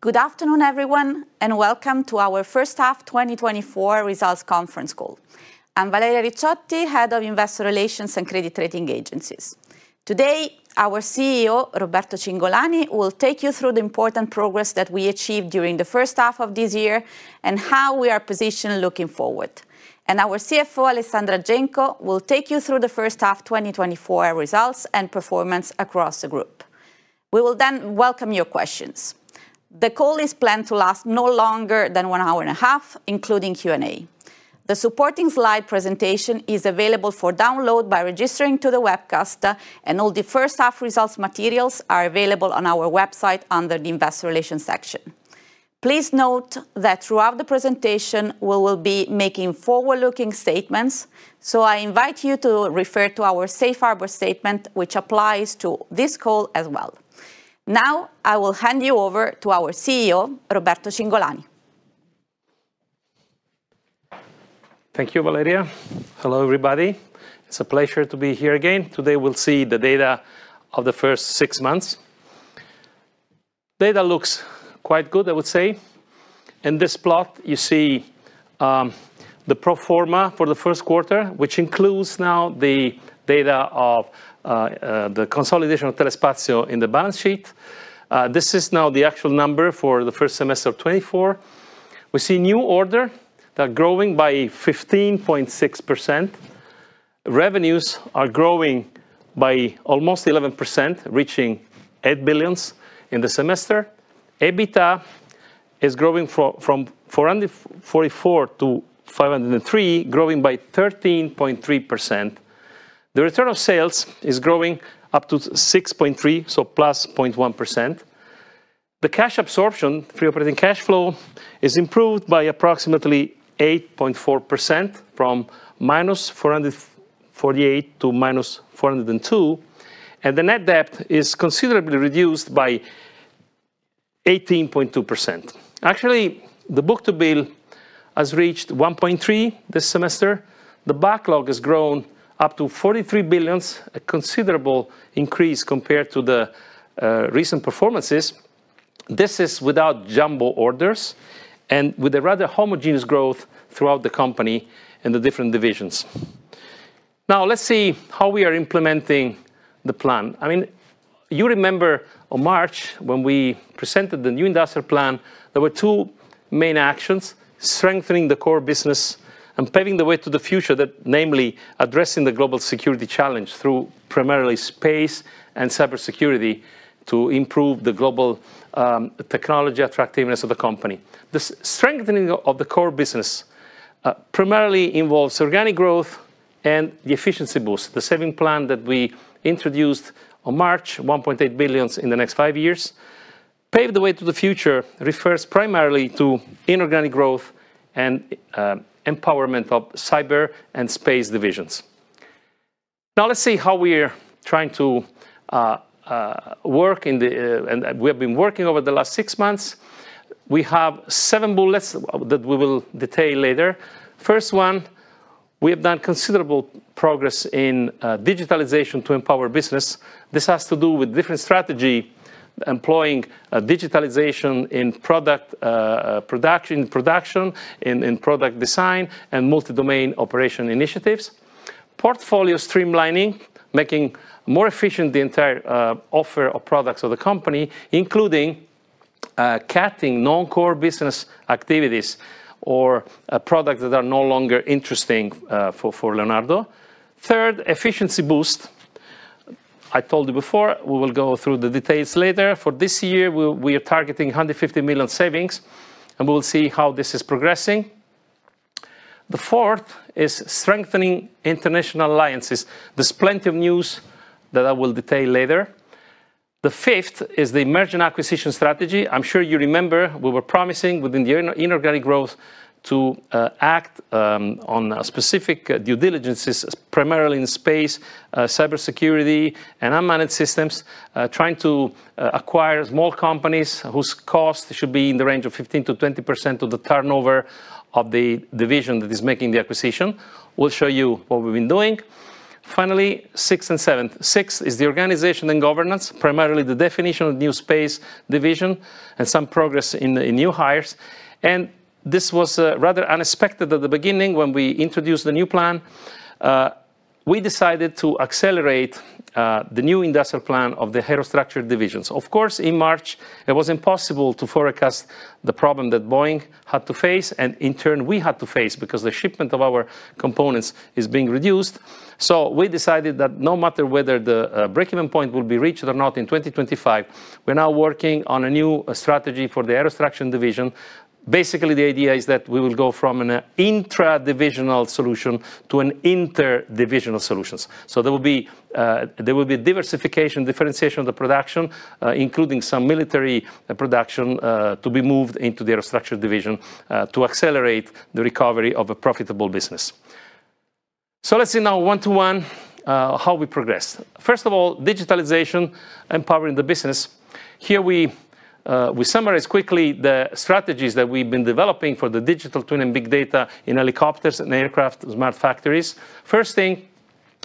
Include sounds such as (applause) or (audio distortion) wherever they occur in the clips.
Good afternoon, everyone, and welcome to our first half 2024 results conference call. I'm Valeria Ricciotti, Head of Investor Relations and Credit Rating Agencies. Today, our CEO, Roberto Cingolani, will take you through the important progress that we achieved during the first half of this year, and how we are positioned looking forward. Our CFO, Alessandra Genco, will take you through the first half 2024 results and performance across the group. We will then welcome your questions. The call is planned to last no longer than one hour and a half, including Q&A. The supporting slide presentation is available for download by registering to the webcast, and all the first half results materials are available on our website under the Investor Relations section. Please note that throughout the presentation, we will be making forward-looking statements, so I invite you to refer to our Safe Harbor Statement, which applies to this call as well. Now, I will hand you over to our CEO, Roberto Cingolani. Thank you, Valeria. Hello, everybody. It's a pleasure to be here again. Today we'll see the data of the first six months. Data looks quite good, I would say. In this plot, you see, the pro forma for the first quarter, which includes now the data of the consolidation of Telespazio in the balance sheet. This is now the actual number for the first semester of 2024. We see new order that growing by 15.6%. Revenues are growing by almost 11%, reaching 8 billion in the semester. EBITDA is growing from 444 million to 503 million, growing by 13.3%. The return on sales is growing up to 6.3%, so +0.1%. The cash absorption, free operating cash flow, is improved by approximately 8.4%, from -448 million to -402 million, and the net debt is considerably reduced by 18.2%. Actually, the book-to-bill has reached 1.3 this semester. The backlog has grown up to 43 billion, a considerable increase compared to the recent performances. This is without jumbo orders, and with a rather homogeneous growth throughout the company in the different divisions. Now, let's see how we are implementing the plan. I mean, you remember on March, when we presented the new industrial plan, there were two main actions: strengthening the core business and paving the way to the future, that namely addressing the global security challenge through primarily space and cybersecurity, to improve the global technology attractiveness of the company. The strengthening of the core business primarily involves organic growth and the efficiency boost, the saving plan that we introduced on March, 1.8 billion in the next five years. Pave the way to the future refers primarily to inorganic growth and empowerment of Cyber and Space Divisions. Now, let's see how we are trying to work in the and we have been working over the last six months. We have seven bullets that we will detail later. First one, we have done considerable progress in digitalization to empower business. This has to do with different strategy, employing digitalization in product production, in product design, and Multi-Domain operation initiatives. Portfolio streamlining, making more efficient the entire offer of products of the company, including cutting non-core business activities, or products that are no longer interesting for Leonardo. Third, efficiency boost. I told you before, we will go through the details later. For this year, we are targeting 150 million savings, and we will see how this is progressing. The fourth is strengthening international alliances. There's plenty of news that I will detail later. The fifth is the Merger and Acquisition Strategy. I'm sure you remember, we were promising within the inorganic growth to act on specific due diligences, primarily in space, cybersecurity, and unmanned systems. Trying to acquire small companies whose cost should be in the range of 15%-20% of the turnover of the division that is making the acquisition. We'll show you what we've been doing. Finally, sixth and seventh. Sixth is the organization and governance, primarily the definition of new Space Division and some progress in new hires. And this was rather unexpected at the beginning when we introduced the new plan. We decided to accelerate the new industrial plan of the Aerostructures Division. Of course, in March, it was impossible to forecast the problem that Boeing had to face, and in turn, we had to face, because the shipment of our components is being reduced. So we decided that no matter whether the break-even point will be reached or not in 2025, we're now working on a new strategy for the Aerostructures Division. Basically, the idea is that we will go from an intra-divisional solution to an inter-divisional solution. So there will be diversification, differentiation of the production, including some military production to be moved into the Aerostructures Division to accelerate the recovery of a profitable business. So let's see now one-to-one how we progress. First of all, digitalization, empowering the business. Here we summarize quickly the strategies that we've been developing for the digital twin and big data in helicopters and aircraft, smart factories. First thing,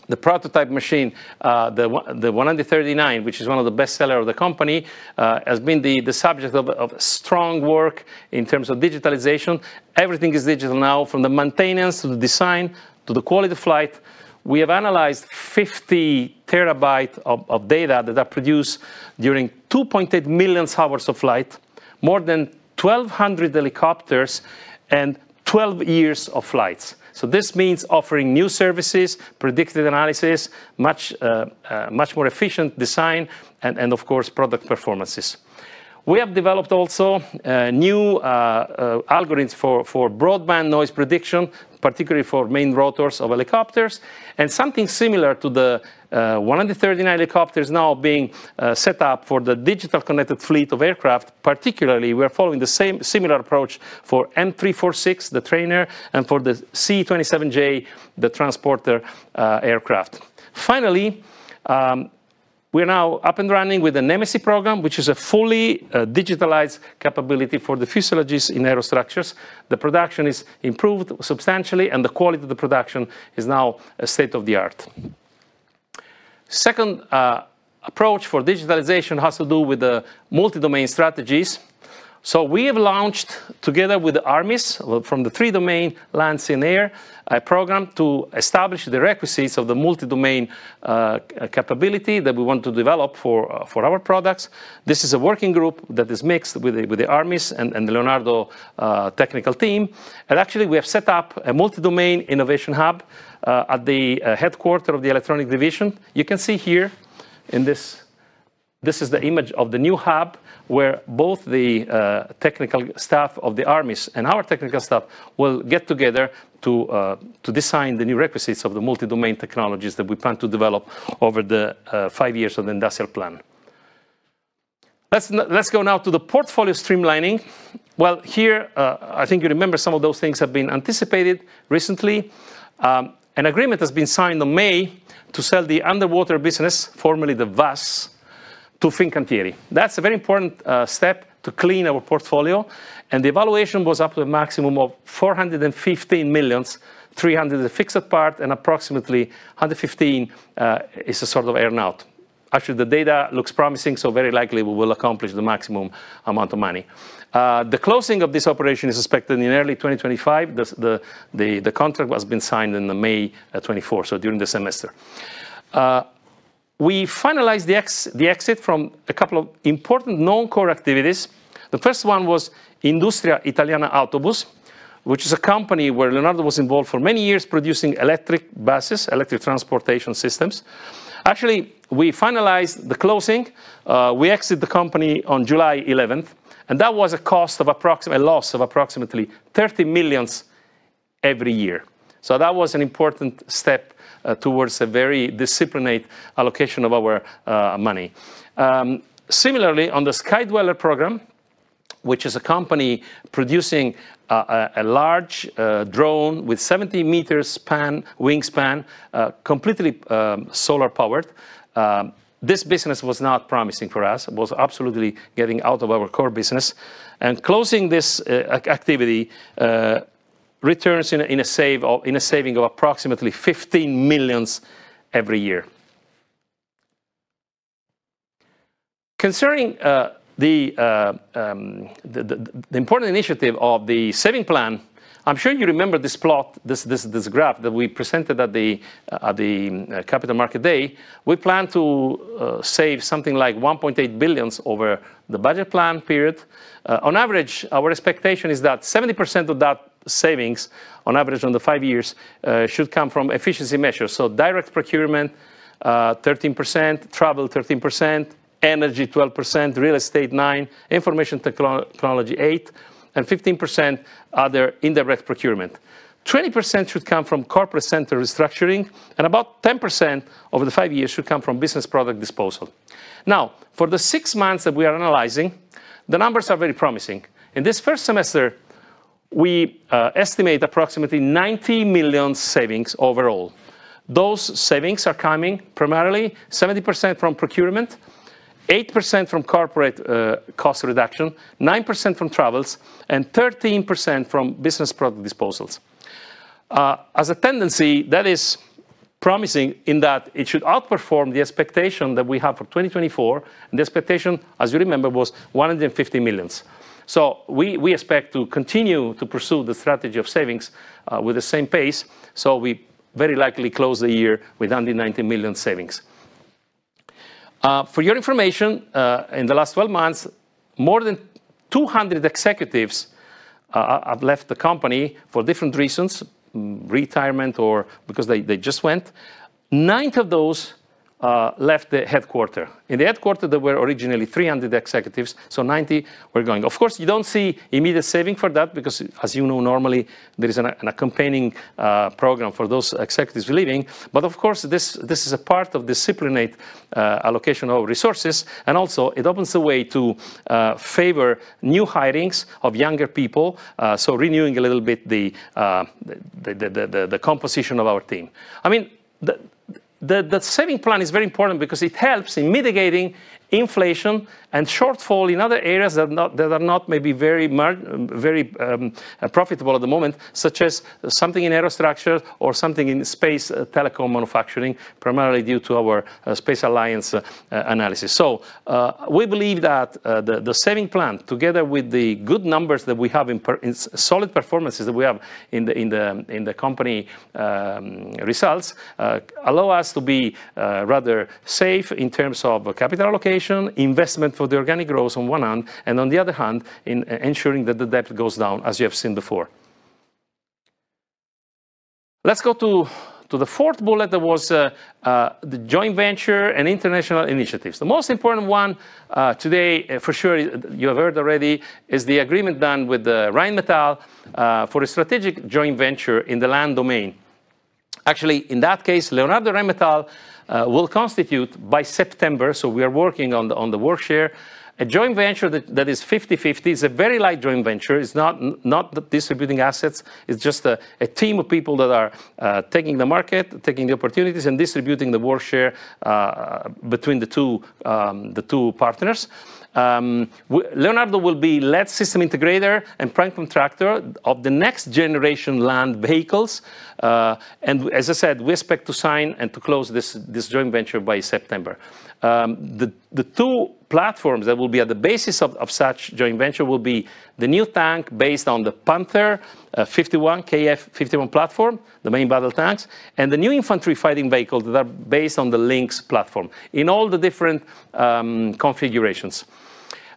the prototype machine, the 139, which is one of the bestseller of the company, has been the subject of strong work in terms of digitalization. Everything is digital now, from the maintenance, to the design, to the quality of flight. We have analyzed 50 TB of data that are produced during 2.8 million hours of flight, more than 1,200 helicopters, and 12 years of flights. So this means offering new services, predictive analysis, much more efficient design, and of course, product performances. We have developed also new algorithms for broadband noise prediction, particularly for main rotors of helicopters, and something similar to the 139 helicopters now being set up for the digital connected fleet of aircraft. Particularly, we are following the same similar approach for M-346, the trainer, and for the C-27J, the transporter aircraft. Finally, we're now up and running with the NEMESI program, which is a fully digitalized capability for the fuselages in aerostructures. The production is improved substantially, and the quality of the production is now state-of-the-art. Second approach for digitalization has to do with the multi-domain strategies. So we have launched, together with the armies, well, from the three domain, land, sea, and air, a program to establish the requisites of the multi-domain capability that we want to develop for our products. This is a working group that is mixed with the armies and the Leonardo technical team. Actually, we have set up a Multi-Domain innovation hub at the headquarters of the Electronics Division. You can see here. This is the image of the new hub, where both the technical staff of the armies and our technical staff will get together to design the new requisites of the Multi-Domain technologies that we plan to develop over the five years of the industrial plan. Let's go now to the portfolio streamlining. Well, here, I think you remember some of those things have been anticipated recently. An agreement has been signed in May to sell the underwater business, formerly the WASS, to Fincantieri. That's a very important step to clean our portfolio, and the evaluation was up to a maximum of 415 million, 300 million the fixed part, and approximately 115 million is a sort of earn-out. Actually, the data looks promising, so very likely we will accomplish the maximum amount of money. The closing of this operation is expected in early 2025. The contract has been signed in May 2024, so during the semester. We finalized the exit from a couple of important non-core activities. The first one was Industria Italiana Autobus, which is a company where Leonardo was involved for many years, producing electric buses, electric transportation systems. Actually, we finalized the closing. We exit the company on July 11th, and that was a cost of a loss of approximately 30 million every year. So that was an important step towards a very disciplined allocation of our money. Similarly, on the Skydweller program, which is a company producing a large drone with 70 meters span, wingspan, completely solar-powered, this business was not promising for us. It was absolutely getting out of our core business, and closing this activity returns in a saving of approximately 15 million every year. Concerning the important initiative of the saving plan, I'm sure you remember this plot, this graph that we presented at the Capital Market Day. We plan to save something like 1.8 billion over the budget plan period. On average, our expectation is that 70% of that savings, on average over the five years, should come from efficiency measures, so direct procurement, 13%, travel, 13%, energy, 12%, real estate, 9%, information technology, 8%, and 15% other indirect procurement. 20% should come from corporate center restructuring, and about 10% over the five years should come from business product disposal. Now, for the six months that we are analyzing, the numbers are very promising. In this first semester, we estimate approximately 90 million savings overall. Those savings are coming primarily 70% from procurement, 8% from corporate cost reduction, 9% from travels, and 13% from business product disposals. As a tendency, that is promising in that it should outperform the expectation that we have for 2024, and the expectation, as you remember, was 150 million. So we expect to continue to pursue the strategy of savings with the same pace, so we very likely close the year with only 90 million savings. For your information, in the last 12 months, more than 200 executives have left the company for different reasons, retirement or because they just went. Nine of those left the headquarters. In the headquarters, there were originally 300 executives, so 90 were going. Of course, you don't see immediate saving for that because, as you know, normally there is an accompanying program for those executives leaving, but of course, this is a part of disciplined allocation of resources, and also it opens the way to favor new hirings of younger people, so renewing a little bit the composition of our team. I mean, the saving plan is very important because it helps in mitigating inflation and shortfall in other areas that are not maybe very profitable at the moment, such as something in aerostructures or something in space telecom manufacturing, primarily due to our Space Alliance analysis. So, we believe that the saving plan, together with the good numbers that we have in solid performances that we have in the company results, allow us to be rather safe in terms of capital allocation, investment for the organic growth on one hand, and on the other hand, in ensuring that the debt goes down, as you have seen before. Let's go to the fourth bullet that was the joint venture and international initiatives. The most important one, today, for sure, you have heard already, is the agreement done with Rheinmetall for a strategic joint venture in the land domain. Actually, in that case, Leonardo-Rheinmetall will constitute by September, so we are working on the work share, a joint venture that is 50/50. It's a very light joint venture. It's not distributing assets, it's just a team of people that are taking the market, taking the opportunities, and distributing the work share between the two partners. Leonardo will be lead system integrator and prime contractor of the next generation land vehicles. And as I said, we expect to sign and to close this joint venture by September. The two platforms that will be at the basis of such joint venture will be the new tank, based on the KF51 Panther platform, the main battle tanks, and the new infantry fighting vehicles that are based on the Lynx platform, in all the different configurations.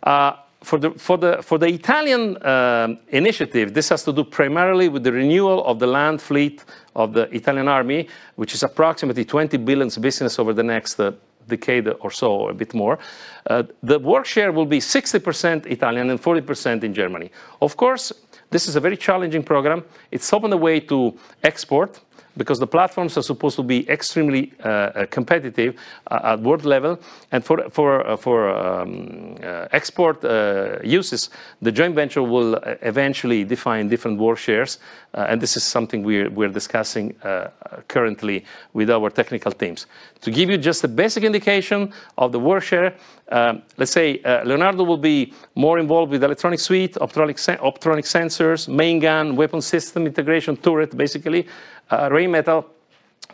For the Italian initiative, this has to do primarily with the renewal of the land fleet of the Italian Army, which is approximately 20 billion business over the next decade or so, or a bit more. The work share will be 60% Italian and 40% in Germany. Of course, this is a very challenging program. It's open the way to export, because the platforms are supposed to be extremely competitive at world level and for export uses, the joint venture will eventually define different work shares, and this is something we're discussing currently with our technical teams. To give you just a basic indication of the work share, let's say, Leonardo will be more involved with electronic suite, optronic sensors, main gun, weapon system, integration turret, basically. Rheinmetall,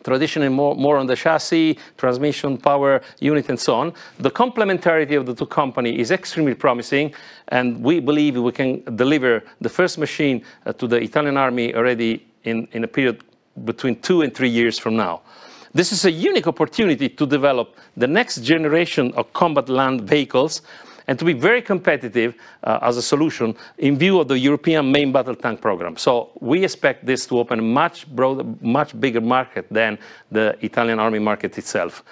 traditionally more on the chassis, transmission, power unit and so on. The complementarity of the two company is extremely promising, and we believe we can deliver the first machine to the Italian Army already in a period between two and three years from now. This is a unique opportunity to develop the next generation of combat land vehicles, and to be very competitive, as a solution, in view of the European main battle tank program. So we expect this to open a much broader, much bigger market than the Italian Army market itself.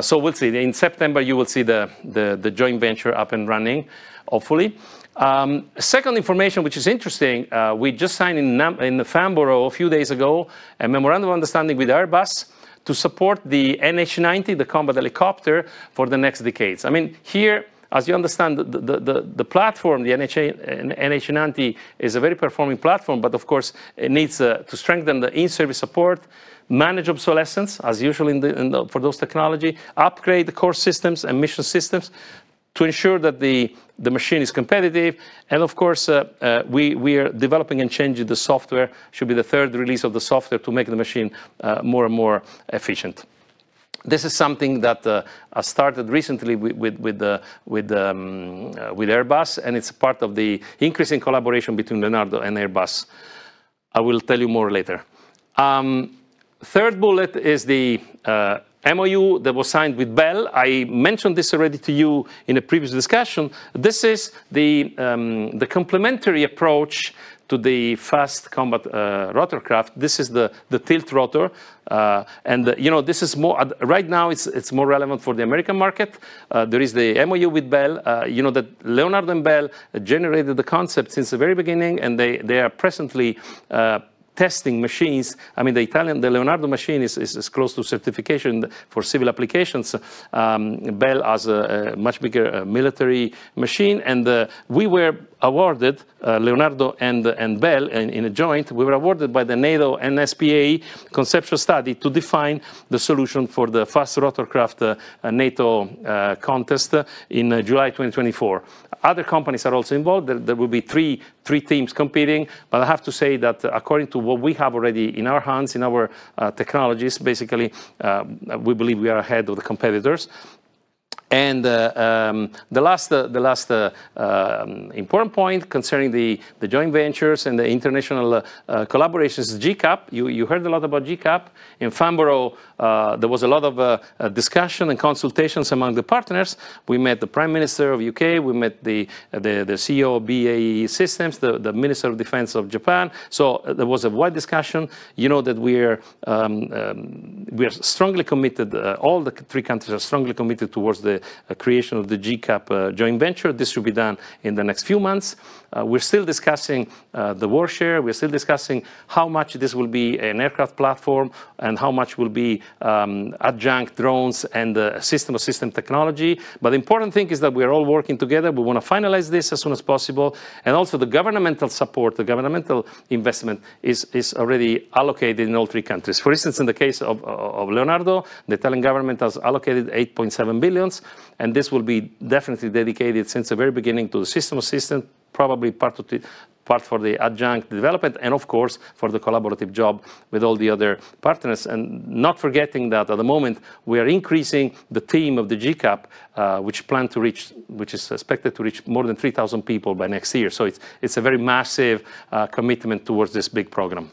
So we'll see. In September, you will see the joint venture up and running, hopefully. Second information, which is interesting, we just signed in Farnborough a few days ago, a memorandum of understanding with Airbus to support the NH90, the combat helicopter, for the next decades. I mean, here, as you understand, the platform, the NH90 is a very performing platform, but of course, it needs to strengthen the in-service support, manage obsolescence, as usual in the for those technology, upgrade the core systems and mission systems to ensure that the machine is competitive, and of course, we are developing and changing the software, should be the third release of the software, to make the machine more and more efficient. This is something that I started recently with Airbus, and it's part of the increasing collaboration between Leonardo and Airbus. I will tell you more later. Third bullet is the MoU that was signed with Bell. I mentioned this already to you in a previous discussion. This is the complementary approach to the fast combat rotorcraft. This is the tiltrotor, and, you know, this is more right now, it's more relevant for the American market. There is the MoU with Bell. You know that Leonardo and Bell generated the concept since the very beginning, and they are presently testing machines. I mean, the Italian, the Leonardo machine is close to certification for civil applications. Bell has a much bigger military machine, and we were awarded, Leonardo and Bell, in a joint, we were awarded by the NATO NSPA conceptual study to define the solution for the fast rotorcraft, NATO contest in July 2024. Other companies are also involved. There will be three teams competing, but I have to say that according to what we have already in our hands, in our technologies, basically, we believe we are ahead of the competitors. And the last important point concerning the joint ventures and the international collaborations, GCAP, you heard a lot about GCAP. In Farnborough, there was a lot of discussion and consultations among the partners. We met the Prime Minister of UK, we met the CEO of BAE Systems, the Minister of Defence of Japan, so there was a wide discussion. You know that we are strongly committed, all the three countries are strongly committed towards the creation of the GCAP joint venture. This will be done in the next few months. We're still discussing the work share, we're still discussing how much this will be an aircraft platform and how much will be adjunct drones and the system of systems technology. But the important thing is that we're all working together. We want to finalize this as soon as possible, and also the governmental support, the governmental investment is already allocated in all three countries. For instance, in the case of Leonardo, the Italian government has allocated 8.7 billion, and this will be definitely dedicated, since the very beginning, to the system of systems, probably part for the adjunct development, and of course, for the collaborative job with all the other partners. Not forgetting that at the moment, we are increasing the team of the GCAP, which is expected to reach more than 3,000 people by next year. So it's, it's a very massive commitment towards this big program.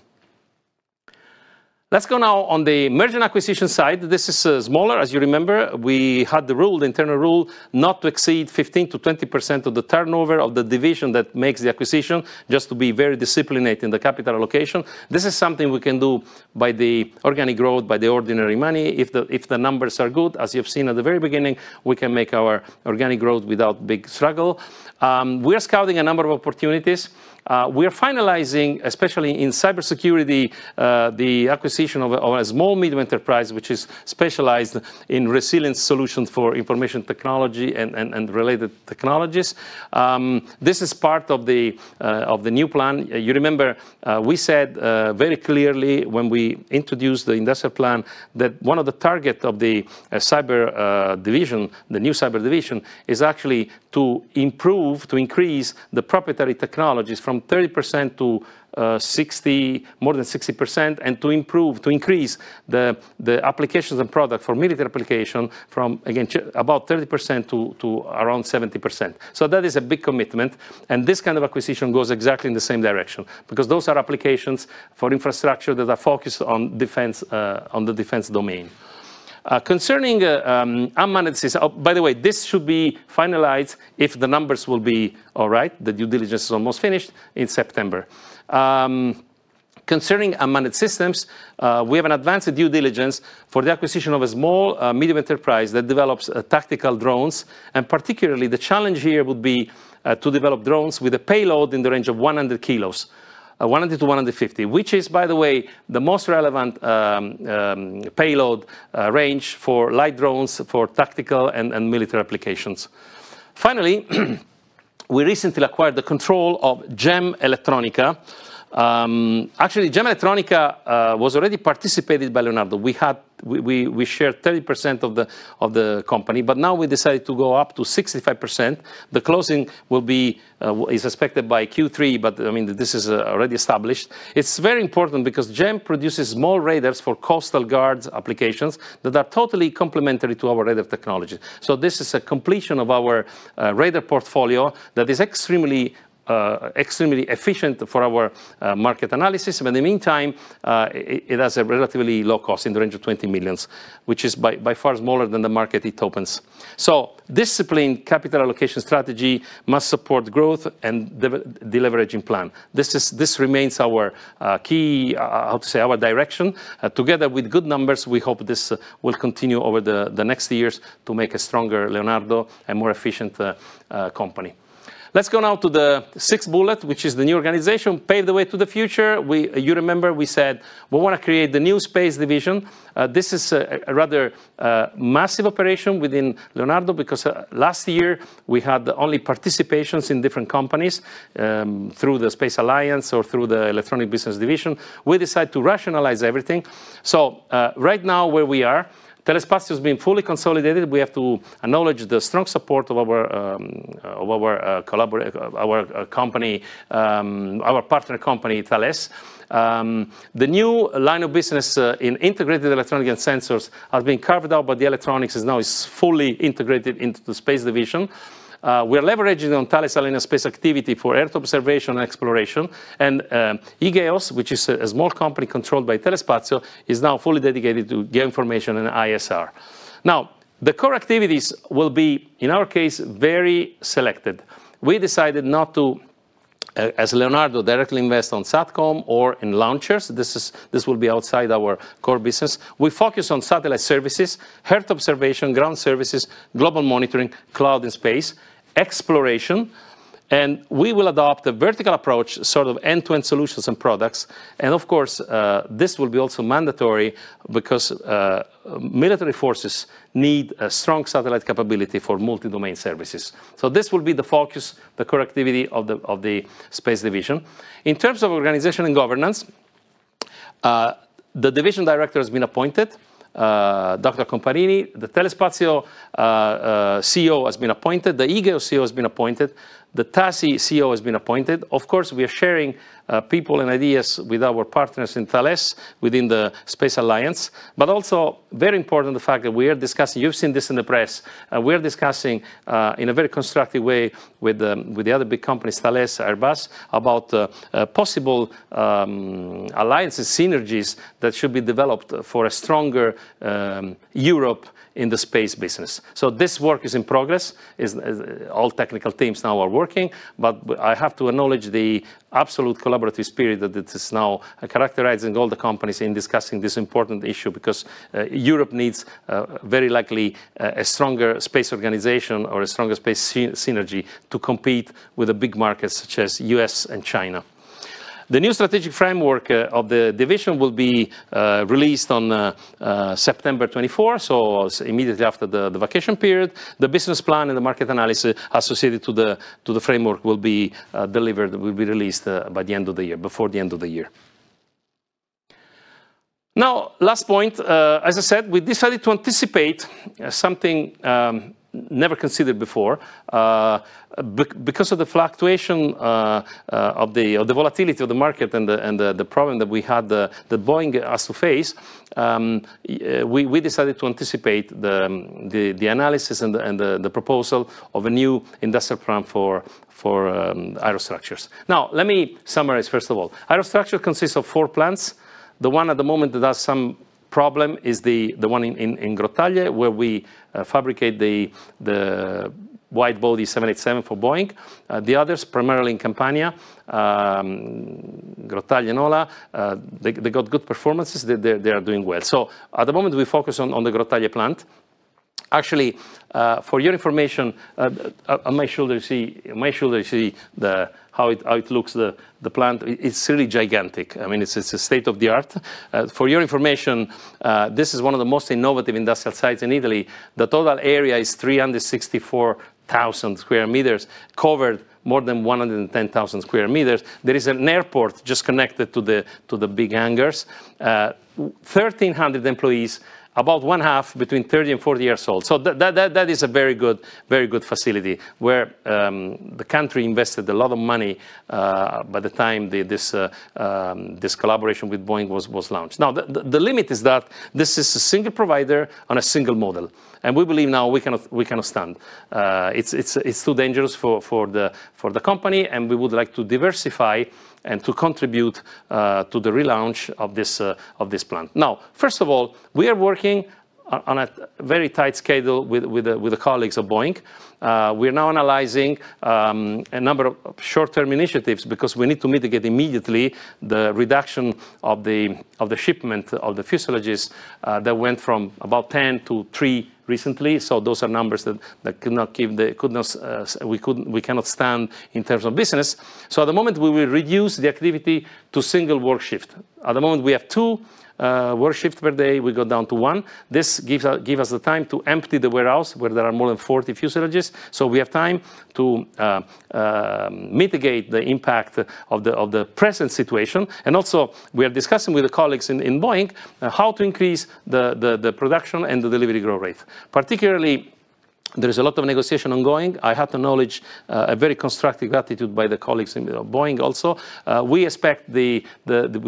Let's go now on the merger and acquisition side. This is smaller, as you remember, we had the rule, the internal rule, not to exceed 15%-20% of the turnover of the division that makes the acquisition, just to be very disciplined in the capital allocation. This is something we can do by the organic growth, by the ordinary money, if the, if the numbers are good, as you've seen at the very beginning, we can make our organic growth without big struggle. We are scouting a number of opportunities. We are finalizing, especially in cybersecurity, the acquisition of a small medium enterprise, which is specialized in resilience solutions for information technology and related technologies. This is part of the new plan. You remember, we said very clearly when we introduced the industrial plan, that one of the target of the Cyber Division, the new Cyber Division, is actually to improve, to increase the proprietary technologies from 30% to 60- more than 60%, and to improve, to increase the applications and product for military application from, again, about 30% to around 70%. So that is a big commitment, and this kind of acquisition goes exactly in the same direction, because those are applications for infrastructure that are focused on defense, on the defense domain. Concerning unmanned systems, by the way, this should be finalized, if the numbers will be all right, the due diligence is almost finished, in September. Concerning unmanned systems, we have an advanced due diligence for the acquisition of a small, medium enterprise that develops tactical drones, and particularly, the challenge here would be to develop drones with a payload in the range of 100-150 kilos. Which is, by the way, the most relevant payload range for light drones, for tactical and military applications. Finally, we recently acquired the control of GEM Elettronica. Actually, GEM Elettronica was already participated by Leonardo. We shared 30% of the company, but now we decided to go up to 65%. The closing will be is expected by Q3, but I mean, this is already established. It's very important because GEM produces small radars for coastal guards applications that are totally complementary to our radar technology. So this is a completion of our radar portfolio that is extremely extremely efficient for our market analysis. But in the meantime, it has a relatively low cost, in the range of 20 million, which is by far smaller than the market it opens. So discipline, capital allocation strategy, must support growth and deleveraging plan. This is, this remains our key, how to say, our direction. Together with good numbers, we hope this will continue over the next years to make a stronger Leonardo and more efficient company. Let's go now to the sixth bullet, which is the new organization, pave the way to the future. You remember we said we want to create the new Space Division. This is a rather massive operation within Leonardo, because last year we had only participations in different companies through the Space Alliance or through the electronic business division. We decided to rationalize everything. So right now, where we are, Thales Alenia Space has been fully consolidated. We have to acknowledge the strong support of our collaborate- of our company, our partner company, Thales. The new line of business in integrated electronic and sensors have been carved out, but the electronics is now fully integrated into the Space Division. We are leveraging on Thales Alenia Space activity for Earth observation and exploration. e-GEOS, which is a small company controlled by Telespazio, is now fully dedicated to geoinformation and ISR. Now, the core activities will be, in our case, very selected. We decided not to, as Leonardo, directly invest on Satcom or in launchers. This will be outside our core business. We focus on satellite services, Earth observation, ground services, global monitoring, cloud and space, exploration, and we will adopt a vertical approach, sort of end-to-end solutions and products. And of course, this will be also mandatory because military forces need a strong satellite capability for multi-domain services. So this will be the focus, the core activity of the Space Division. In terms of organization and governance, the division director has been appointed, Dr. Comparini, the Telespazio CEO has been appointed, the e-GEOS CEO has been appointed, the TAS CEO has been appointed. Of course, we are sharing people and ideas with our partners in Thales, within the Space Alliance. But also, very important, the fact that we are discussing, you've seen this in the press, we are discussing in a very constructive way with the other big companies, Thales, Airbus, about possible alliances, synergies, that should be developed for a stronger Europe in the space business. So this work is in progress, all technical teams now are working, but I have to acknowledge the absolute collaborative spirit that it is now characterizing all the companies in discussing this important issue, because Europe needs very likely a stronger space organization or a stronger space synergy to compete with the big markets such as U.S. and China. The new strategic framework of the division will be released on September 24, so immediately after the vacation period. The business plan and the market analysis associated to the framework will be delivered, will be released by the end of the year, before the end of the year. Now, last point, as I said, we decided to anticipate something never considered before. Because of the fluctuation of the volatility of the market and the problem that we had, the Boeing has to face, we decided to anticipate the analysis and the proposal of a new industrial plan for Aerostructures. Now, let me summarize first of all. Aerostructures consists of four plants. The one at the moment that has some problem is the one in Grottaglie, where we fabricate the wide-body 787 for Boeing. The others, primarily in Campania, Grottaglie and Nola, they got good performances. They are doing well. So at the moment, we focus on the Grottaglie plant. Actually, for your information, I'll make sure that you see how it looks, the plant. It's really gigantic. I mean, it's a state-of-the-art. For your information, this is one of the most innovative industrial sites in Italy. The total area is 364,000 square meters, covered more than 110,000 square meters. There is an airport just connected to the big hangars. 1,300 employees, about one half between 30 and 40 years old, so that is a very good facility, where the country invested a lot of money by the time this collaboration with Boeing was launched. Now, the limit is that this is a single provider on a single model, and we believe now we cannot stand. It's too dangerous for the company, and we would like to diversify and to contribute to the relaunch of this plant. Now, first of all, we are working on a very tight schedule with the colleagues of Boeing. We're now analyzing a number of short-term initiatives because we need to mitigate immediately the reduction of the shipment of the fuselages that went from about 10 to 3 recently. So those are numbers that we cannot stand in terms of business. So at the moment, we will reduce the activity to single work shift. At the moment, we have two work shifts per day. We go down to one. This gives us the time to empty the warehouse, where there are more than 40 fuselages, so we have time to mitigate the impact of the present situation. And also, we are discussing with the colleagues in Boeing how to increase the production and the delivery growth rate. Particularly, there is a lot of negotiation ongoing. I have the knowledge, a very constructive attitude by the colleagues in Boeing also. We expect we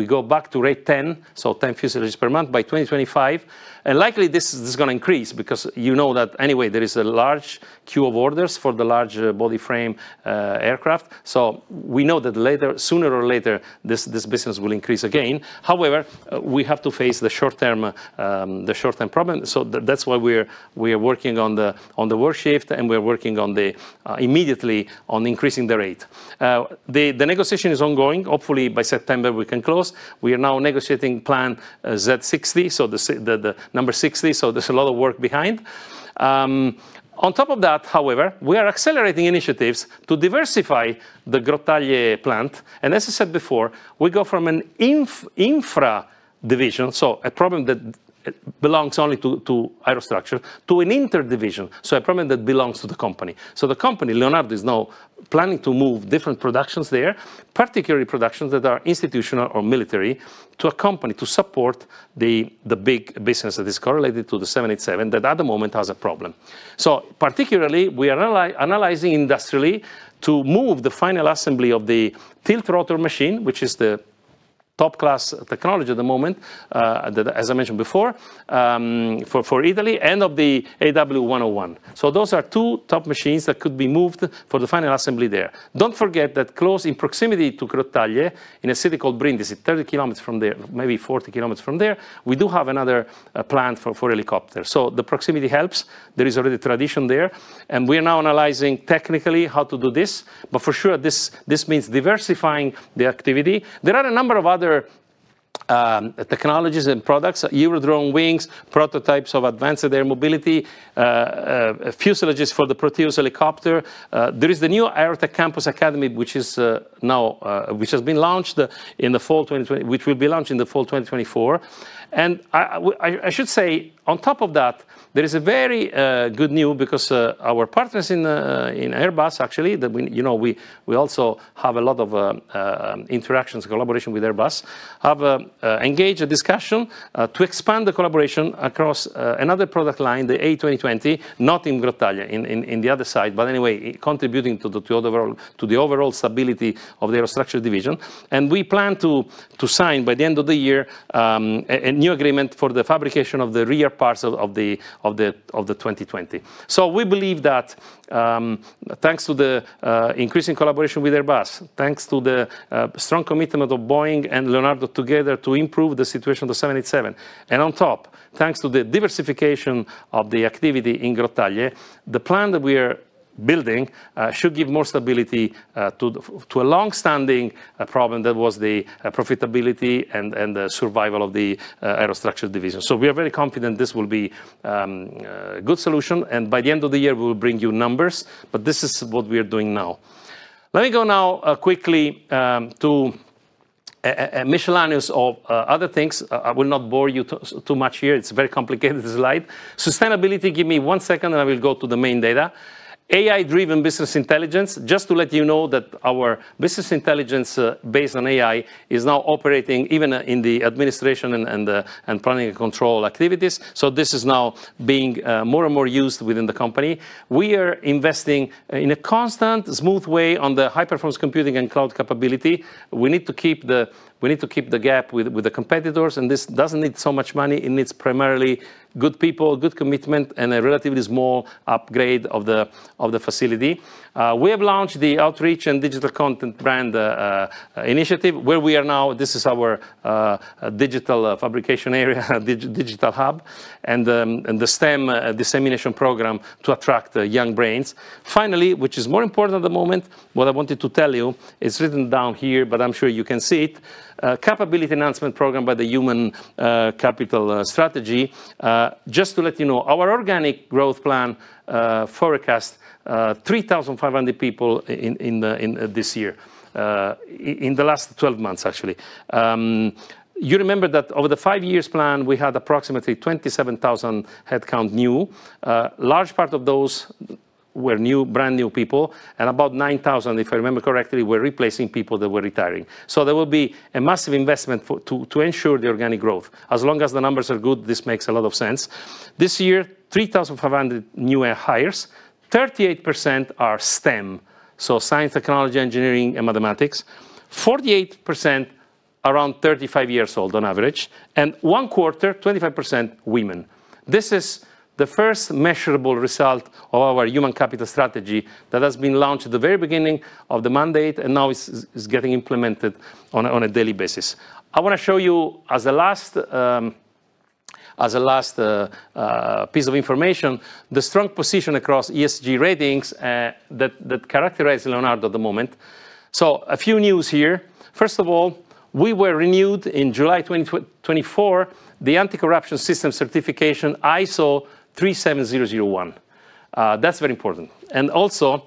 go back to rate 10, so 10 fuselages per month, by 2025, and likely this is gonna increase because you know that anyway, there is a large queue of orders for the large body frame aircraft. So we know that later, sooner or later, this business will increase again. However, we have to face the short-term problem, so that's why we're working on the work shift, and we're working immediately on increasing the rate. The negotiation is ongoing. Hopefully by September, we can close. We are now negotiating Plan Z60, so the number 60, so there's a lot of work behind. On top of that, however, we are accelerating initiatives to diversify the Grottaglie plant, and as I said before, we go from an infra division, so a problem that belongs only to Aerostructures, to an inter division, so a problem that belongs to the company. So the company, Leonardo, is now planning to move different productions there, particularly productions that are institutional or military, to accompany, to support the big business that is correlated to the 787 that, at the moment, has a problem. So particularly, we are analyzing industrially to move the final assembly of the tiltrotor machine, which is the top-class technology at the moment, that as I mentioned before, for Italy, and of the AW101. So those are two top machines that could be moved for the final assembly there. Don't forget that close in proximity to Grottaglie, in a city called Brindisi, 30 kilometers from there, maybe 40 kilometers from there, we do have another plant for Helicopters. So the proximity helps. There is already tradition there, and we are now analyzing technically how to do this, but for sure, this, this means diversifying the activity. There are a number of other technologies and products, Eurodrone wings, prototypes of advanced air mobility, fuselages for the Proteus helicopter. There is the new Aerotech Campus Academy, which is now, which has been launched in the fall 202- which will be launched in the fall 2024. And I should say, on top of that, there is a very good news because our partners in Airbus, actually, that we, you know, we also have a lot of interactions, collaboration with Airbus, have engaged a discussion to expand the collaboration across another product line, the A220, not in Grottaglie, in the other side, but anyway, contributing to the overall stability of the Aerostructures Division. And we plan to sign, by the end of the year, a new agreement for the fabrication of the rear parts of the A220. So we believe that, thanks to the increasing collaboration with Airbus, thanks to the strong commitment of Boeing and Leonardo together to improve the situation of the 787, and on top, thanks to the diversification of the activity in Grottaglie, the plan that we are building should give more stability to a long-standing problem that was the profitability and the survival of the Aerostructures Division. So we are very confident this will be a good solution, and by the end of the year, we will bring you numbers, but this is what we are doing now. Let me go now quickly to a miscellaneous of other things. I will not bore you too much here. It's a very complicated slide. Sustainability, give me one second, and I will go to the main data. AI-driven business intelligence, just to let you know that our business intelligence based on AI is now operating even in the administration and the planning and control activities, so this is now being more and more used within the company. We are investing in a constant, smooth way on the high-performance computing and cloud capability. We need to keep the gap with the competitors, and this doesn't need so much money, it needs primarily good people, good commitment, and a relatively small upgrade of the facility. We have launched the outreach and digital content brand initiative, where we are now, this is our digital fabrication area, digital hub, and the STEM dissemination program to attract the young brains. Finally, which is more important at the moment, what I wanted to tell you, it's written down here, but I'm sure you can see it, capability enhancement program by the human capital strategy. Just to let you know, our organic growth plan forecast 3,500 people in this year, in the last 12 months, actually. You remember that over the five years plan, we had approximately 27,000 headcount, new. Large part of those were new, brand-new people, and about 9,000, if I remember correctly, were replacing people that were retiring. So there will be a massive investment to ensure the organic growth. As long as the numbers are good, this makes a lot of sense. This year, 3,500 new hires, 38% are STEM, so science, technology, engineering, and mathematics. 48%, around 35 years old on average, and 25%, 25% women. This is the first measurable result of our human capital strategy that has been launched at the very beginning of the mandate, and now is getting implemented on a daily basis. I wanna show you, as a last piece of information, the strong position across ESG ratings that characterize Leonardo at the moment. So a few news here. First of all, we were renewed in July 2024, the anti-corruption system certification, ISO 37001. That's very important. And also,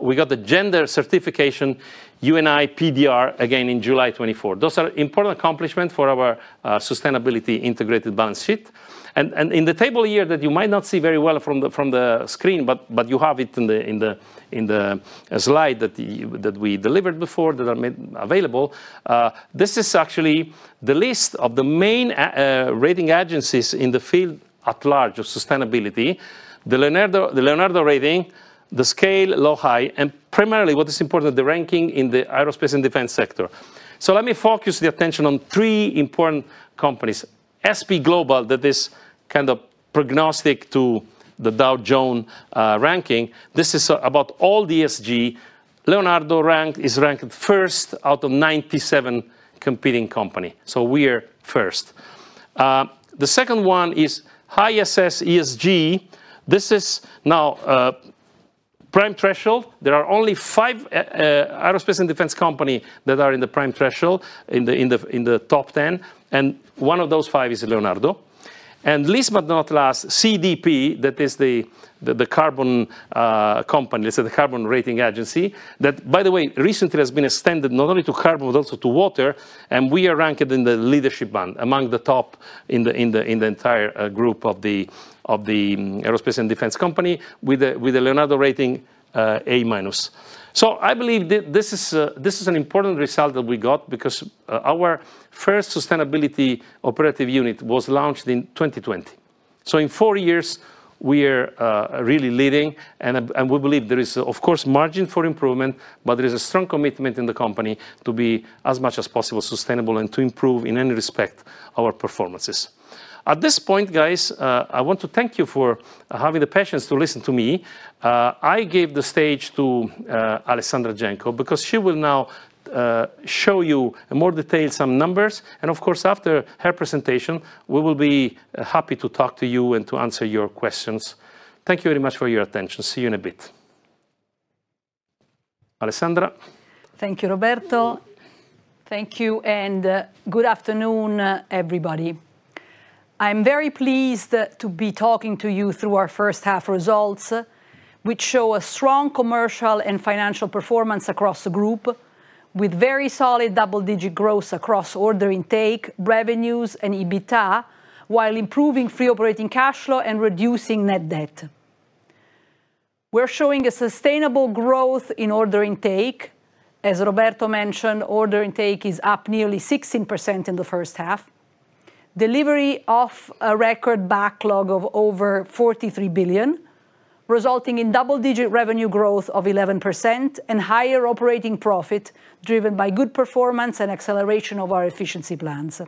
we got the gender certification, UNI PDR, again, in July 2024. Those are important accomplishment for our sustainability integrated balance sheet. And in the table here that you might not see very well from the screen, but you have it in the slide that we delivered before, that are made available, this is actually the list of the main rating agencies in the field at large of sustainability. The Leonardo, the Leonardo rating, the scale, low, high, and primarily, what is important, the ranking in the aerospace and defense sector. So let me focus the attention on three important companies. S&P Global, that is kind of prognostic to the Dow Jones ranking, this is about all the ESG. Leonardo ranked, is ranked first out of 97 competing company, so we are first. The second one is ISS ESG. This is now, prime threshold. There are only five aerospace and defense company that are in the prime threshold, in the, in the, in the top 10, and one of those five is Leonardo. And last but not last, CDP, that is the, the, the carbon, company, it's the carbon rating agency, that, by the way, recently has been extended not only to carbon, but also to water, and we are ranked in the leadership band, among the top in the, in the, in the entire, group of the, of the aerospace and defense company, with a, with a Leonardo rating, A minus. So I believe this is an important result that we got, because our first sustainability operative unit was launched in 2020. So in four years, we are really leading, and we believe there is, of course, margin for improvement, but there is a strong commitment in the company to be, as much as possible, sustainable and to improve, in any respect, our performances. At this point, guys, I want to thank you for having the patience to listen to me. I give the stage to Alessandra Genco, because she will now show you in more detail some numbers, and of course, after her presentation, we will be happy to talk to you and to answer your questions. Thank you very much for your attention. See you in a bit. Alessandra? Thank you, Roberto. Thank you, and good afternoon, everybody. I'm very pleased to be talking to you through our first half results, which show a strong commercial and financial performance across the group, with very solid double-digit growth across order intake, revenues, and EBITDA, while improving free operating cash flow and reducing net debt. We're showing a sustainable growth in order intake. As Roberto mentioned, order intake is up nearly 16% in the first half. Delivery of a record backlog of over 43 billion, resulting in double-digit revenue growth of 11% and higher operating profit, driven by good performance and acceleration of our efficiency plans.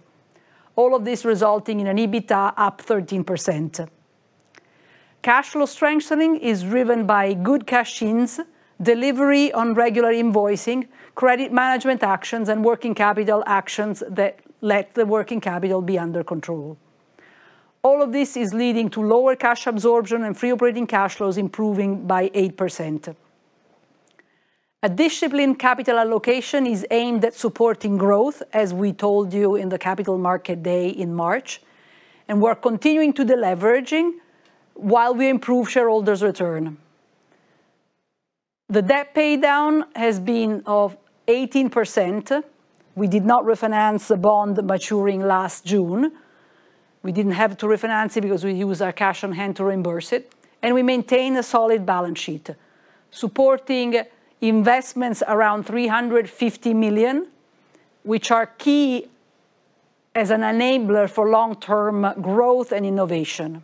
All of this resulting in an EBITDA up 13%. Cash flow strengthening is driven by good cash-ins, delivery on regular invoicing, credit management actions, and working capital actions that let the working capital be under control. All of this is leading to lower cash absorption and free operating cash flows improving by 8%. A disciplined capital allocation is aimed at supporting growth, as we told you in the Capital Market Day in March, and we're continuing to the leveraging, while we improve shareholders' return. The debt paydown has been of 18%. We did not refinance the bond maturing last June. We didn't have to refinance it because we used our cash on hand to reimburse it, and we maintained a solid balance sheet, supporting investments around 350 million, which are key as an enabler for long-term growth and innovation.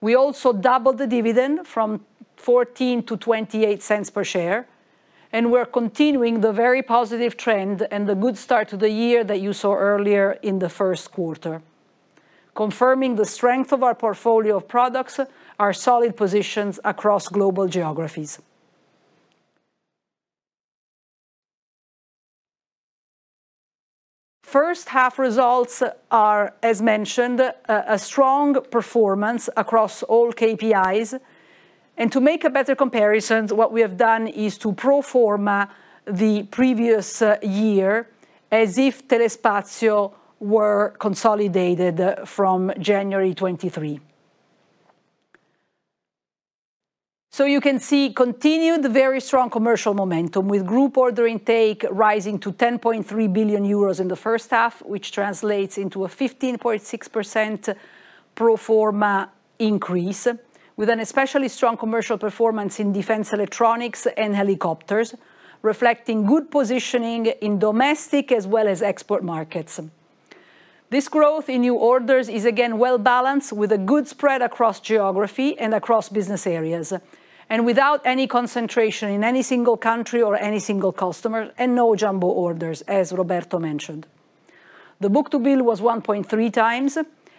We also doubled the dividend from 14 to 28 cents per share, and we're continuing the very positive trend and the good start to the year that you saw earlier in the first quarter, confirming the strength of our portfolio of products, our solid positions across global geographies. First half results are, as mentioned, a strong performance across all KPIs, and to make a better comparison, what we have done is to pro forma the previous year, as if Telespazio were consolidated from January 2023. So you can see continued very strong commercial momentum, with group order intake rising to 10.3 billion euros in the first half, which translates into a 15.6% pro forma increase, with an especially strong commercial performance in Defense Electronics and Helicopters, reflecting good positioning in domestic as well as export markets. This growth in new orders is, again, well-balanced, with a good spread across geography and across business areas, and without any concentration in any single country or any single customer, and no jumbo orders, as Roberto mentioned. The book-to-bill was 1.3 times,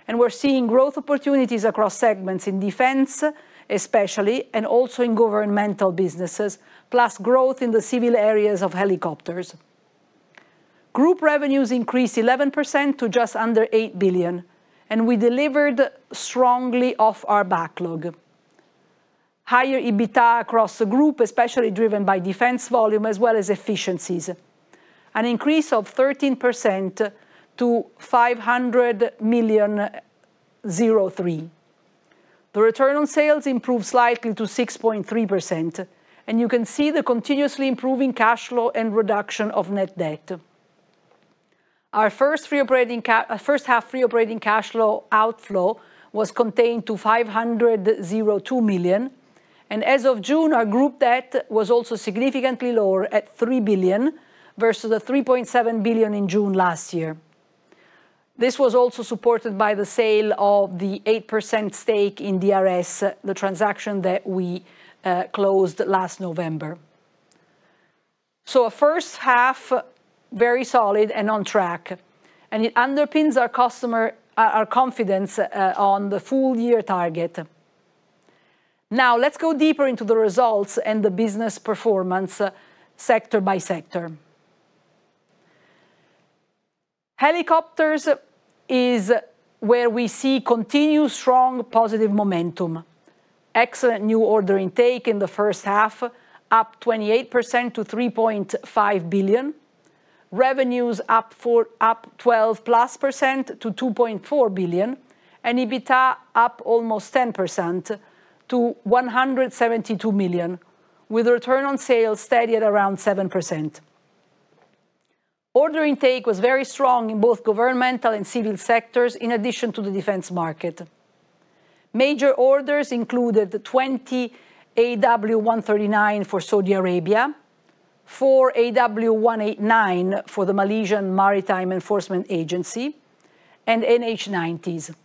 and we're seeing growth opportunities across segments in defense, especially, and also in governmental businesses, plus growth in the civil areas of helicopters. Group revenues increased 11% to just under 8 billion, and we delivered strongly off our backlog. Higher EBITDA across the group, especially driven by defense volume, as well as efficiencies, an increase of 13% to 503 million. The return on sales improved slightly to 6.3%, and you can see the continuously improving cash flow and reduction of net debt. Our first half free operating cash flow outflow was contained to 502 million, and as of June, our group debt was also significantly lower at 3 billion, versus the 3.7 billion in June last year. This was also supported by the sale of the 8% stake in DRS, the transaction that we closed last November. Our first half, very solid and on track, and it underpins our customer, our confidence on the full year target. Now, let's go deeper into the results and the business performance, sector by sector. Helicopters is where we see continued strong, positive momentum. Excellent new order intake in the first half, up 28% to 3.5 billion. Revenues up 12+% to 2.4 billion, and EBITDA up almost 10% to 172 million, with a return on sales steady at around 7%. Order intake was very strong in both governmental and civil sectors, in addition to the defense market. Major orders included the 20 AW139 for Saudi Arabia, 4 AW189 for the Malaysian Maritime Enforcement Agency, and NH90s.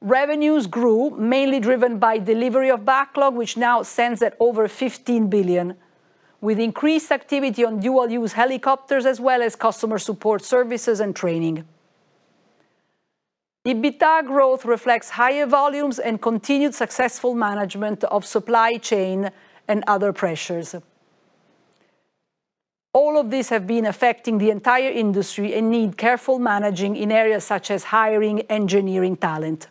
Revenues grew, mainly driven by delivery of backlog, which now stands at over 15 billion, with increased activity on dual-use Helicopters, as well as customer support services and training. EBITDA growth reflects higher volumes and continued successful management of supply chain and other pressures. All of these have been affecting the entire industry and need careful managing in areas such as hiring engineering talent.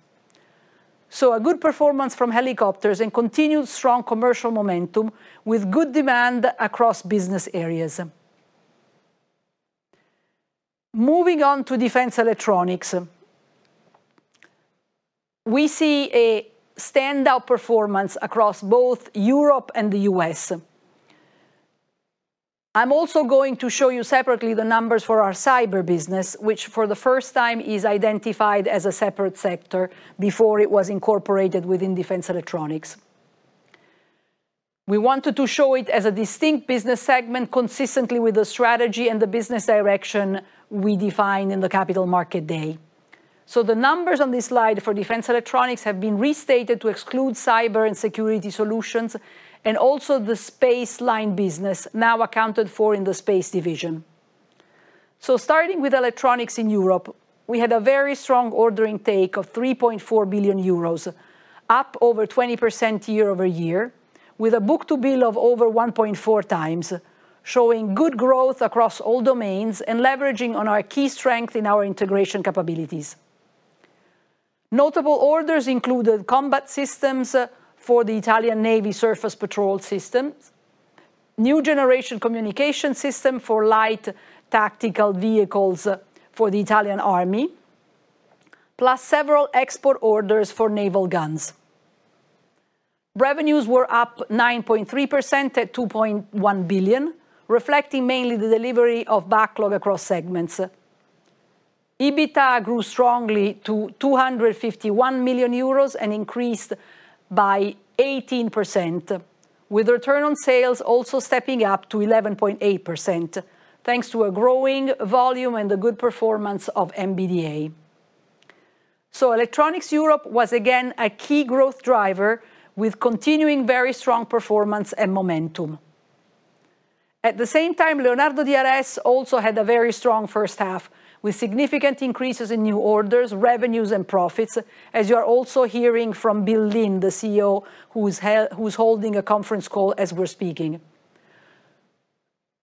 A good performance from Helicopters and continued strong commercial momentum, with good demand across business areas. Moving on to Defense Electronics, we see a standout performance across both Europe and the U.S. I'm also going to show you separately the numbers for our Cyber business, which, for the first time, is identified as a separate sector. Before, it was incorporated within Defense Electronics. We wanted to show it as a distinct business segment, consistently with the strategy and the business direction we defined in the Capital Market Day. The numbers on this slide for Defense Electronics have been restated to exclude cyber and security solutions, and also the space line business, now accounted for in the Space Division. So starting with electronics in Europe, we had a very strong order intake of 3.4 billion euros, up over 20% year-over-year, with a book-to-bill of over 1.4 times, showing good growth across all domains and leveraging on our key strength in our integration capabilities. Notable orders included combat systems for the Italian Navy Surface Patrol System, new generation communication system for light tactical vehicles for the Italian Army, plus several export orders for naval guns. Revenues were up 9.3% at 2.1 billion, reflecting mainly the delivery of backlog across segments. EBITDA grew strongly to 251 million euros, and increased by 18%, with return on sales also stepping up to 11.8%, thanks to a growing volume and the good performance of MBDA. Electronics Europe was again a key growth driver with continuing very strong performance and momentum. At the same time, Leonardo DRS also had a very strong first half, with significant increases in new orders, revenues, and profits, as you are also hearing from Bill Lynn, the CEO, who is holding a conference call as we're speaking.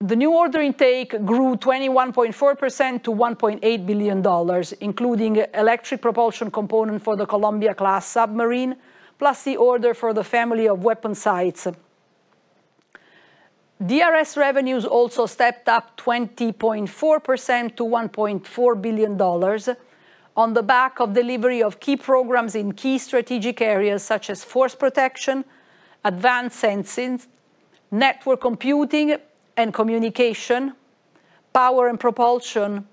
The new order intake grew 21.4% to $1.8 billion, including electric propulsion component for the Columbia-class submarine, plus the order for the Family of Weapon Sights. DRS revenues also stepped up 20.4% to $1.4 billion, on the back of delivery of key programs in key strategic areas such as force protection, advanced sensing, network computing and communication, power and propulsion.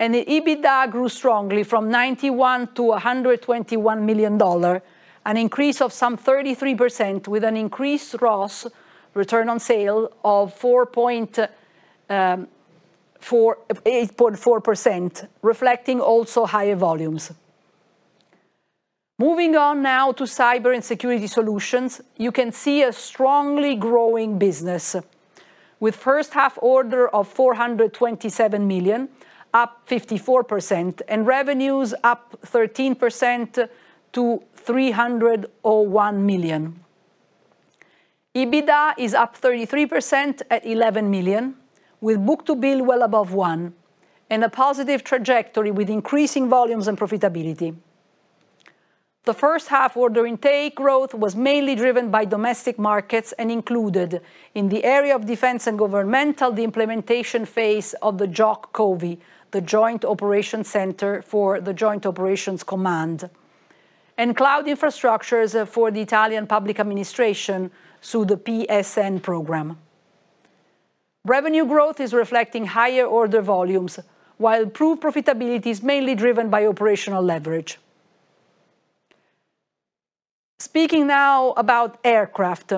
The EBITDA grew strongly from $91 million to $121 million, an increase of some 33% with an increased ROS, return on sales, of 8.4%, reflecting also higher volumes. Moving on now to Cyber Security Solutions, you can see a strongly growing business, with first half order of 427 million, up 54%, and revenues up 13% to 301 million. EBITDA is up 33% at 11 million, with book-to-bill well above 1, and a positive trajectory with increasing volumes and profitability. The first half order intake growth was mainly driven by domestic markets, and included, in the area of defense and governmental, the implementation phase of the JOC COVI, the Joint Operations Center for the Joint Operations Command, and cloud infrastructures for the Italian Public Administration through the PSN program. Revenue growth is reflecting higher order volumes, while improved profitability is mainly driven by operational leverage. Speaking now about aircraft.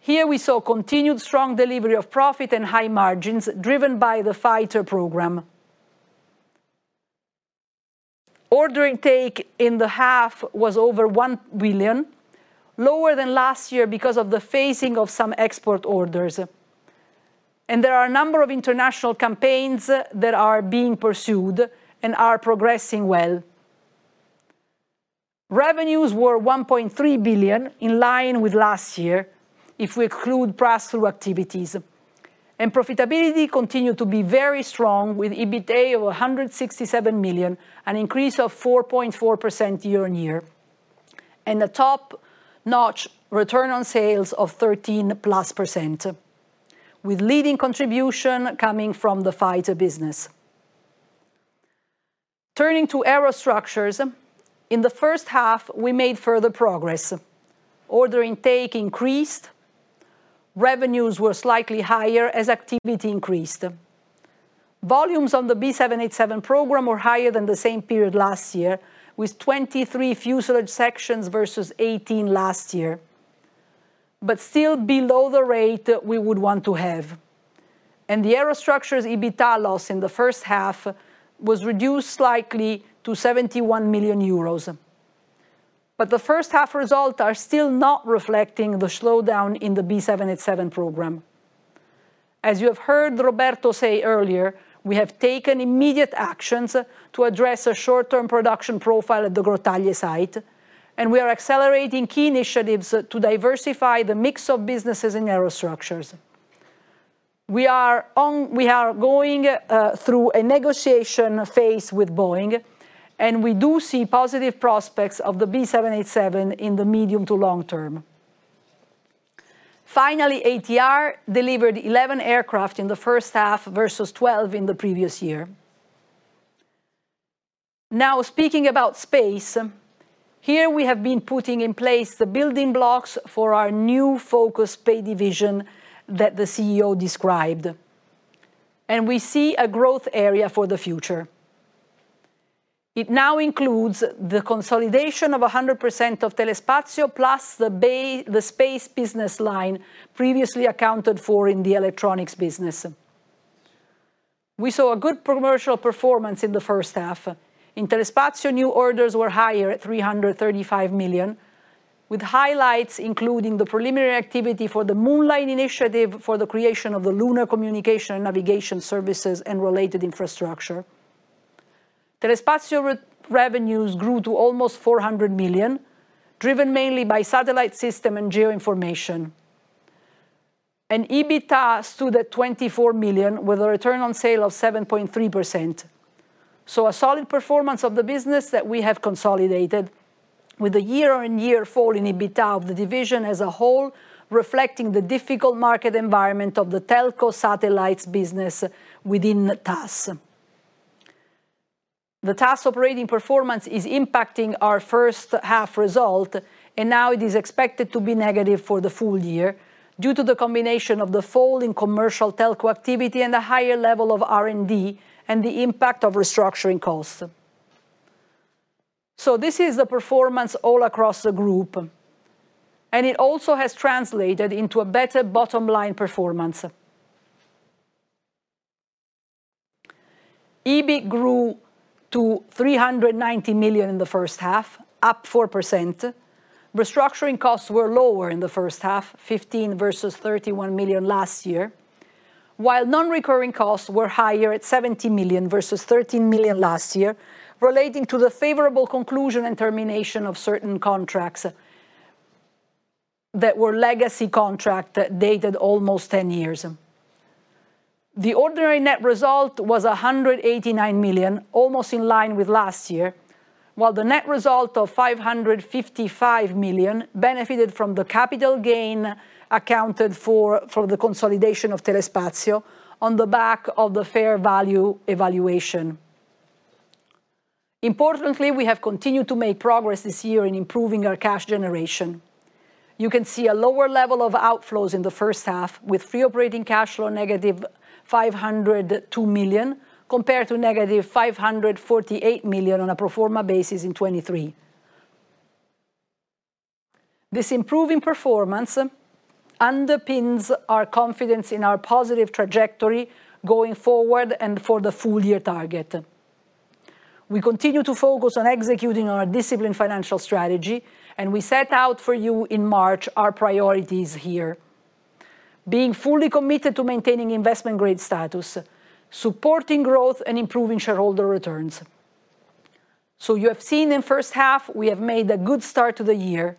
Here we saw continued strong delivery of profit and high margins, driven by the fighter program. Order intake in the half was over 1 billion, lower than last year because of the phasing of some export orders. And there are a number of international campaigns that are being pursued and are progressing well. Revenues were 1.3 billion, in line with last year, if we exclude pass-through activities. And profitability continued to be very strong, with EBITDA of 167 million, an increase of 4.4% year-on-year, and a top-notch return on sales of 13%+, with leading contribution coming from the fighter business. Turning to Aerostructures, in the first half, we made further progress. Order intake increased, revenues were slightly higher as activity increased. Volumes on the B787 program were higher than the same period last year, with 23 fuselage sections versus 18 last year, but still below the rate we would want to have. And the Aerostructures EBITDA loss in the first half was reduced slightly to 71 million euros. But the first half results are still not reflecting the slowdown in the B787 program. As you have heard Roberto say earlier, we have taken immediate actions to address a short-term production profile at the Grottaglie site, and we are accelerating key initiatives to diversify the mix of businesses in Aerostructures. We are going through a negotiation phase with Boeing, and we do see positive prospects of the B787 in the medium to long term. Finally, ATR delivered 11 aircraft in the first half, versus 12 in the previous year. Now, speaking about space, here we have been putting in place the building blocks for our new focused Space Division that the CEO described, and we see a growth area for the future. It now includes the consolidation of 100% of Telespazio, plus the BA, the space business line previously accounted for in the electronics business. We saw a good commercial performance in the first half. In Telespazio, new orders were higher at 335 million, with highlights including the preliminary activity for the Moonlight Initiative, for the creation of the lunar communication and navigation services and related infrastructure. Telespazio revenues grew to almost 400 million, driven mainly by satellite system and geoinformation. EBITDA stood at 24 million, with a return on sales of 7.3%. A solid performance of the business that we have consolidated. With a year-on-year fall in EBITDA of the division as a whole, reflecting the difficult market environment of the telco satellites business within Thales. The Thales operating performance is impacting our first half result, and now it is expected to be negative for the full year, due to the combination of the fall in commercial telco activity and a higher level of R&D, and the impact of restructuring costs. This is the performance all across the group, and it also has translated into a better bottom line performance. EBIT grew to 390 million in the first half, up 4%. Restructuring costs were lower in the first half, 15 million versus 31 million last year. While non-recurring costs were higher at 70 million versus 13 million last year, relating to the favorable conclusion and termination of certain contracts that were legacy contract that dated almost ten years. The ordinary net result was 189 million, almost in line with last year, while the net result of 555 million benefited from the capital gain accounted for, for the consolidation of Telespazio, on the back of the fair value evaluation. Importantly, we have continued to make progress this year in improving our cash generation. You can see a lower level of outflows in the first half, with free operating cash flow negative 502 million, compared to negative 548 million on a pro forma basis in 2023. This improving performance underpins our confidence in our positive trajectory going forward and for the full-year target. We continue to focus on executing our disciplined financial strategy, and we set out for you in March our priorities here. Being fully committed to maintaining investment grade status, supporting growth, and improving shareholder returns. So you have seen in first half, we have made a good start to the year.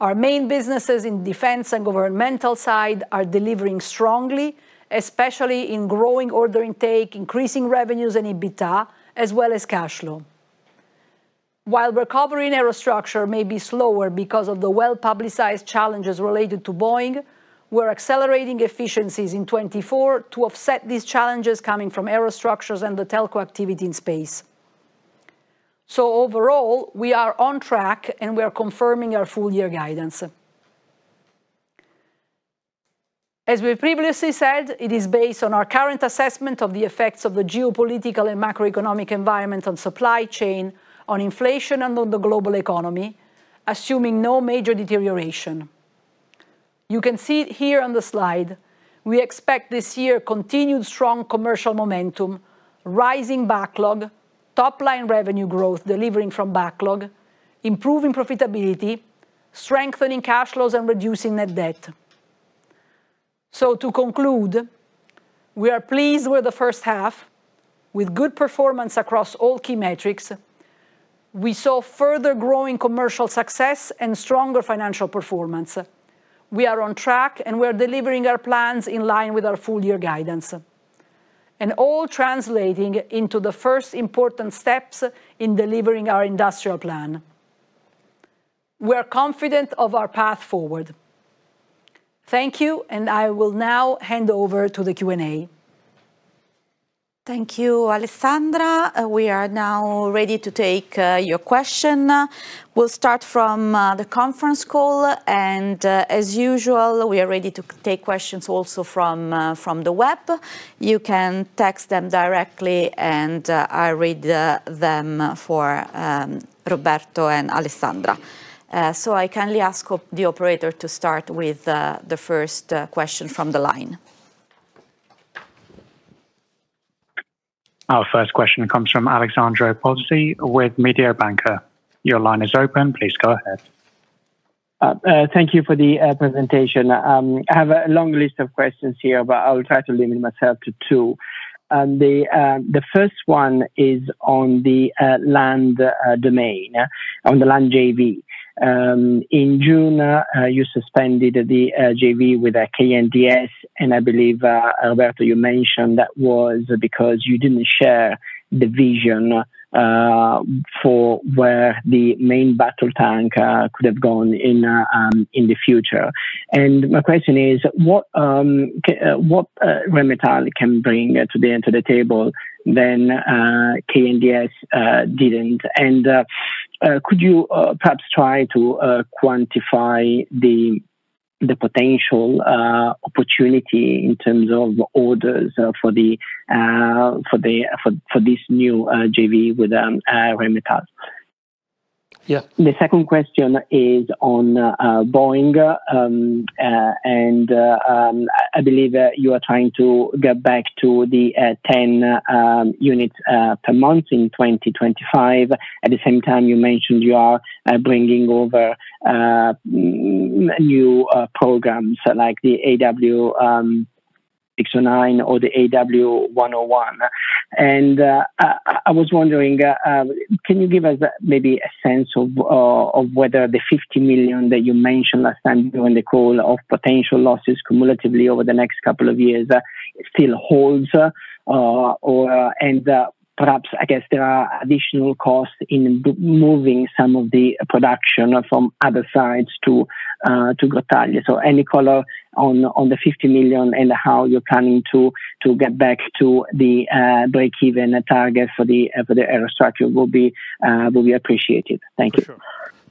Our main businesses in defense and governmental side are delivering strongly, especially in growing order intake, increasing revenues and EBITDA, as well as cash flow. While recovery in Aerostructures may be slower because of the well-publicized challenges related to Boeing, we're accelerating efficiencies in 2024 to offset these challenges coming from Aerostructures and the telco activity in space. So overall, we are on track, and we are confirming our full-year guidance. As we previously said, it is based on our current assessment of the effects of the geopolitical and macroeconomic environment on supply chain, on inflation, and on the global economy, assuming no major deterioration. You can see it here on the slide. We expect this year continued strong commercial momentum, rising backlog, top-line revenue growth delivering from backlog, improving profitability, strengthening cash flows, and reducing net debt. So to conclude, we are pleased with the first half, with good performance across all key metrics. We saw further growing commercial success and stronger financial performance. We are on track, and we are delivering our plans in line with our full-year guidance, and all translating into the first important steps in delivering our industrial plan. We are confident of our path forward. Thank you, and I will now hand over to the Q&A. Thank you, Alessandra. We are now ready to take your question. We'll start from the conference call, and, as usual, we are ready to take questions also from the web. You can text them directly, and I read them for Roberto and Alessandra. So I kindly ask the operator to start with the first question from the line. Our first question comes from Alessandro Pozzi with Mediobanca. Your line is open. Please go ahead. Thank you for the presentation. I have a long list of questions here, but I will try to limit myself to two. The first one is on the land domain, on the land JV. In June, you suspended the JV with KNDS, and I believe, Roberto, you mentioned that was because you didn't share the vision for where the main battle tank could have gone in the future. My question is, what Rheinmetall can bring to the table than KNDS didn't? Could you perhaps try to quantify the potential opportunity in terms of orders for this new JV with Rheinmetall? Yeah. The second question is on Boeing. I believe that you are trying to get back to the 10 units per month in 2025. At the same time, you mentioned you are bringing over new programs like the AW609 or the AW101. I was wondering, can you give us maybe a sense of whether the 50 million that you mentioned last time during the call of potential losses cumulatively over the next couple of years still holds, or perhaps, I guess, there are additional costs in moving some of the production from other sites to Grottaglie. Any color on the 50 million, and how you're planning to get back to the breakeven target for the Aerostructures will be appreciated. Thank you. For sure.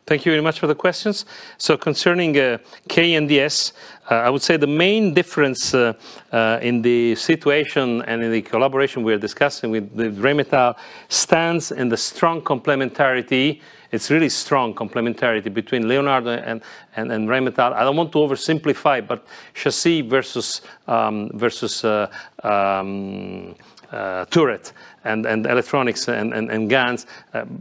Thank you very much for the questions. So concerning KNDS, I would say the main difference in the situation and in the collaboration we are discussing with Rheinmetall stands in the strong complementarity. It's really strong complementarity between Leonardo and Rheinmetall. I don't want to oversimplify, but chassis versus turret, and guns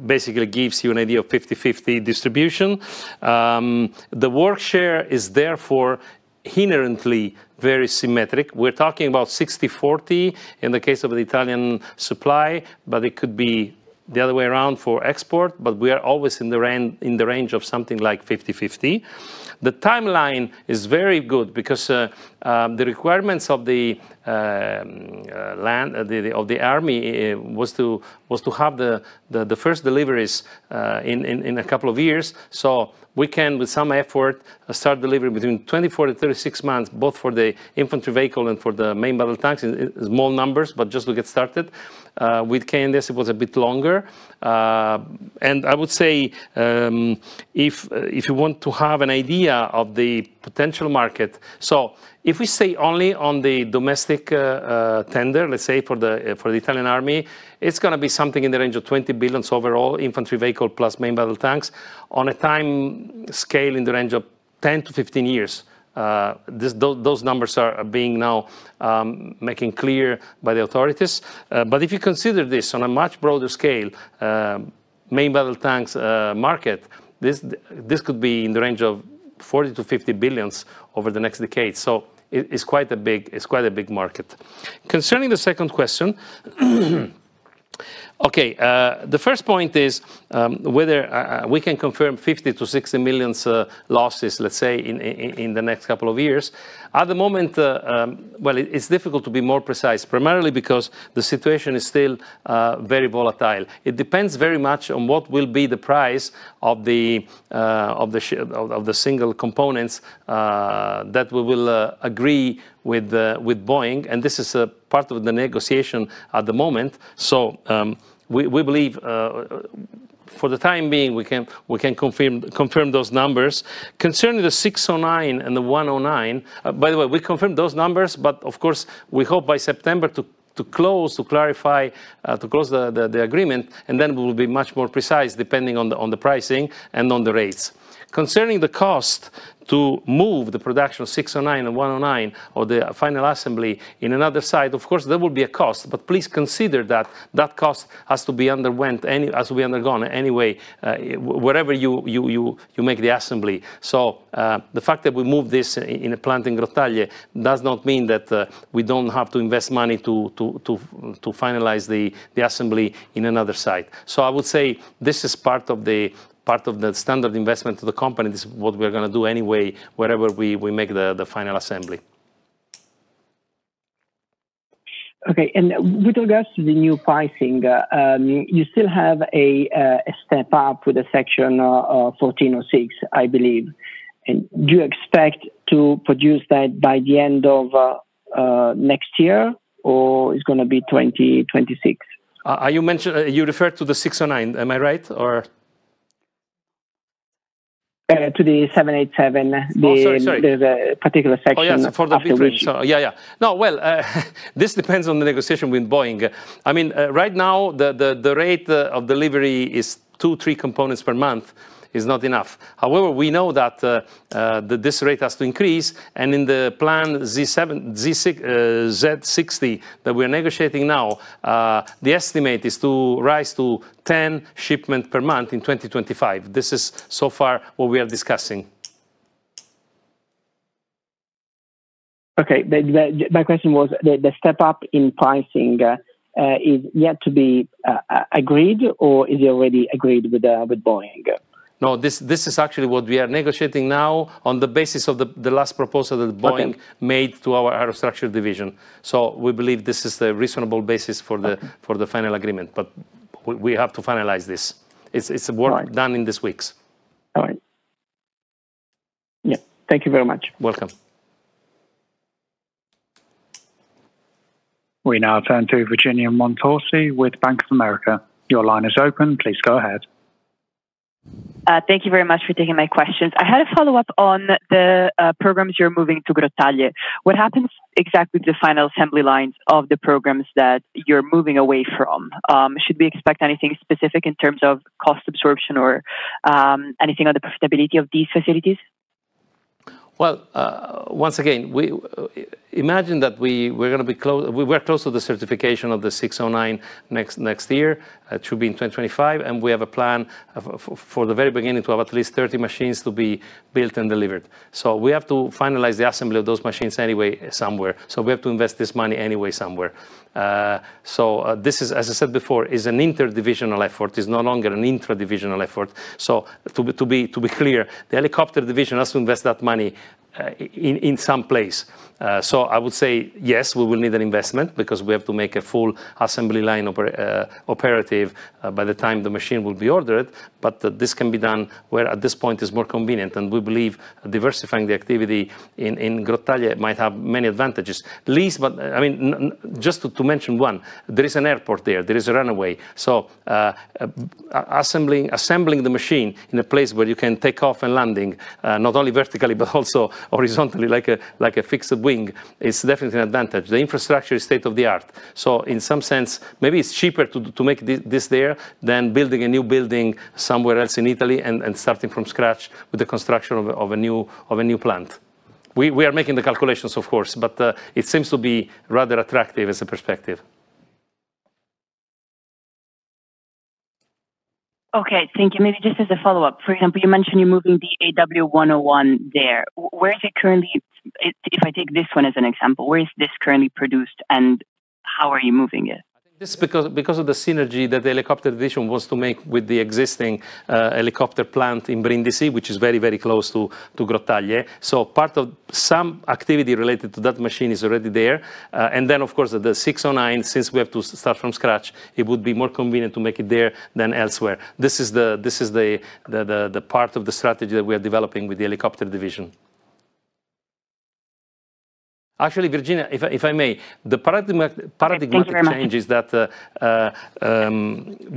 basically gives you an idea of 50/50 distribution. The work share is therefore inherently very symmetric. We're talking about 60/40 in the case of the Italian supply, but it could be the other way around for export, but we are always in the range of something like 50/50. The timeline is very good because the requirements of the land of the army was to have the first deliveries in a couple of years. So we can, with some effort, start delivery between 24-36 months, both for the infantry vehicle and for the main battle tanks, in small numbers, but just to get started. With KNDS, it was a bit longer. And I would say, if you want to have an idea of the potential market. So if we say only on the domestic tender, let's say for the Italian Army, it's gonna be something in the range of 20 billion overall, infantry vehicle plus main battle tanks, on a time scale in the range of 10-15 years. Those numbers are being now making clear by the authorities. But if you consider this on a much broader scale, main battle tanks market, this could be in the range of 40 billion-50 billion over the next decade. So it, it's quite a big, it's quite a big market. Concerning the second question, the first point is, whether we can confirm 50-60 million losses, let's say, in the next couple of years. At the moment, well, it, it's difficult to be more precise, primarily because the situation is still very volatile. It depends very much on what will be the price of the, of the single components, that we will, agree with, with Boeing, and this is a part of the negotiation at the moment. So, we, we believe, for the time being, we can, we can confirm, confirm those numbers. Concerning the 609 and the 109, by the way, we confirmed those numbers, but of course, we hope by September to, to close, to clarify, to close the, the, the agreement, and then we will be much more precise, depending on the, on the pricing and on the rates. Concerning the cost to move the production of 609 and 109 or the final assembly in another site, of course, there will be a cost, but please consider that that cost has to be undergone anyway, wherever you make the assembly. So, the fact that we move this in a plant in Grottaglie does not mean that, we don't have to invest money to finalize the assembly in another site. So I would say this is part of the standard investment to the company. This is what we're gonna do anyway, wherever we make the final assembly. Okay, and with regards to the new pricing, you still have a step up with the Section 46, I believe. And do you expect to produce that by the end of next year, or it's gonna be 2026? Are you referring to the 609, am I right or? to the 787 Oh, sorry, sorry. the particular section Oh, yes, for the delivery. After we So yeah, yeah. No, well, this depends on the negotiation with Boeing. I mean, right now, the rate of delivery is 2-3 components per month, is not enough. However, we know that that this rate has to increase, and in the Plan Z60 that we're negotiating now, the estimate is to rise to 10 shipment per month in 2025. This is, so far, what we are discussing. Okay. My question was the step up in pricing is yet to be agreed, or is it already agreed with Boeing? No, this is actually what we are negotiating now on the basis of the last proposal that Boeing Okay made to our Aerostructures Division. We believe this is the reasonable basis for the Okay for the final agreement, but we have to finalize this. It's All right work done in these weeks. All right. Yeah, thank you very much. Welcome. We now turn to Virginia Montorsi with Bank of America. Your line is open. Please go ahead. Thank you very much for taking my questions. I had a follow-up on the programs you're moving to Grottaglie. What happens exactly with the final assembly lines of the programs that you're moving away from? Should we expect anything specific in terms of cost absorption or anything on the profitability of these facilities? Well, once again, we imagine that we're gonna be close—we were close to the certification of the 609 next year, to be in 2025, and we have a plan for the very beginning to have at least 30 machines to be built and delivered. So we have to finalize the assembly of those machines anyway, somewhere, so we have to invest this money anyway, somewhere. So this is, as I said before, an interdivisional effort, no longer an intradivisional effort. So to be clear, the Helicopter Division has to invest that money in some place. So I would say, yes, we will need an investment because we have to make a full assembly line operative by the time the machine will be ordered, but that this can be done where at this point is more convenient. And we believe diversifying the activity in Grottaglie might have many advantages. At least, but I mean, just to mention one, there is an airport there, there is a runway. So, assembling the machine in a place where you can take off and landing, not only vertically, but also horizontally, like a fixed wing, is definitely an advantage. The infrastructure is state-of-the-art, so in some sense, maybe it's cheaper to make this there, than building a new building somewhere else in Italy and starting from scratch with the construction of a new plant. We are making the calculations, of course, but it seems to be rather attractive as a perspective. Okay, thank you. Maybe just as a follow-up, for example, you mentioned you're moving the AW101 there. Where is it currently? If I take this one as an example, where is this currently produced, and how are you moving it? This is because of the synergy that the Helicopter Division wants to make with the existing helicopter plant in Brindisi, which is very, very close to Grottaglie. So part of some activity related to that machine is already there. And then, of course, the 609, since we have to start from scratch, it would be more convenient to make it there than elsewhere. This is the part of the strategy that we are developing with the Helicopter Division. Actually, Virginia, if I may, the paradigmatic Thank you very much. change is that,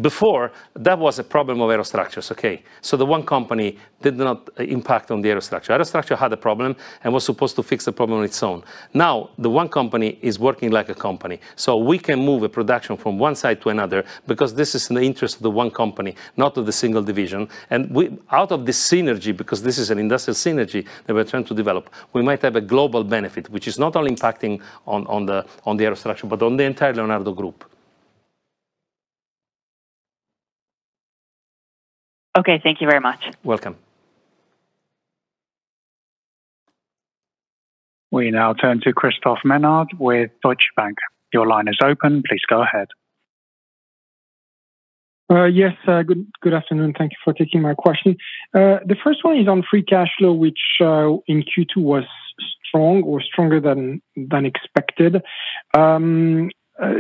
before that was a problem of Aerostructures, okay? So the One Company did not impact on the Aerostructures. Aerostructures had a problem and was supposed to fix the problem on its own. Now, the One Company is working like a company, so we can move a production from one site to another because this is in the interest of the One Company, not of the single division. And out of this synergy, because this is an industrial synergy that we're trying to develop, we might have a global benefit, which is not only impacting on the Aerostructures, but on the entire Leonardo group. Okay, thank you very much. Welcome. We now turn to Christophe Menard with Deutsche Bank. Your line is open, please go ahead. Yes, good, good afternoon. Thank you for taking my question. The first one is on free cash flow, which, in Q2 was strong or stronger than, than expected.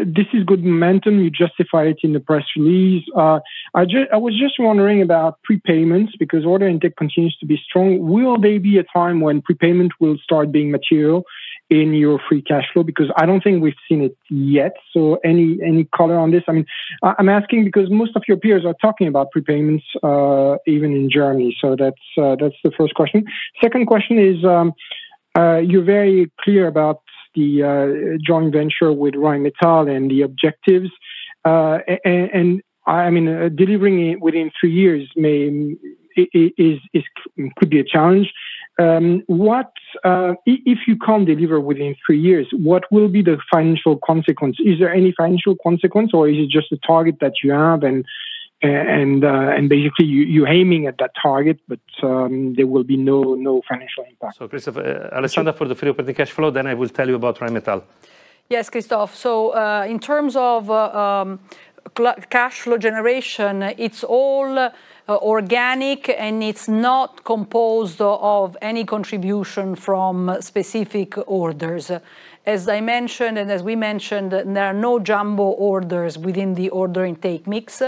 This is good momentum. You justify it in the press release. I was just wondering about prepayments, because order intake continues to be strong. Will there be a time when prepayment will start being material in your free cash flow? Because I don't think we've seen it yet, so any, any color on this? I mean, I'm asking because most of your peers are talking about prepayments, even in Germany. So that's, that's the first question. Second question is, you're very clear about the, joint venture with Rheinmetall and the objectives. I mean, delivering it within three years may be a challenge. What if you can't deliver within three years, what will be the financial consequence? Is there any financial consequence, or is it just a target that you have, and basically, you're aiming at that target, but there will be no financial impact? Christophe, Alessandra for the free operating cash flow, then I will tell you about Rheinmetall. Yes, Christophe. So, in terms of, cash flow generation, it's all organic, and it's not composed of any contribution from specific orders. As I mentioned, and as we mentioned, there are no jumbo orders within the order intake mix.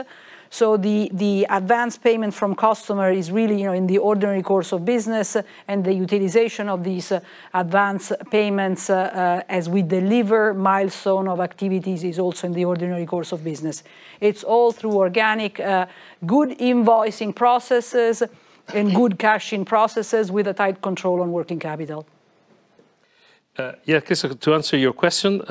So the advanced payment from customer is really, you know, in the ordinary course of business, and the utilization of these advanced payments, as we deliver milestone of activities, is also in the ordinary course of business. It's all through organic good invoicing processes and good cashing processes with a tight control on working capital. Yeah, Christophe, to answer your question,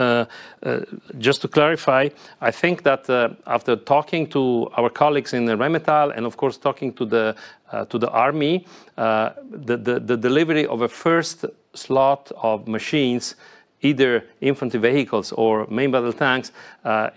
just to clarify, I think that after talking to our colleagues in the Rheinmetall and, of course, talking to the army, the delivery of a first slot of machines, either infantry vehicles or main battle tanks,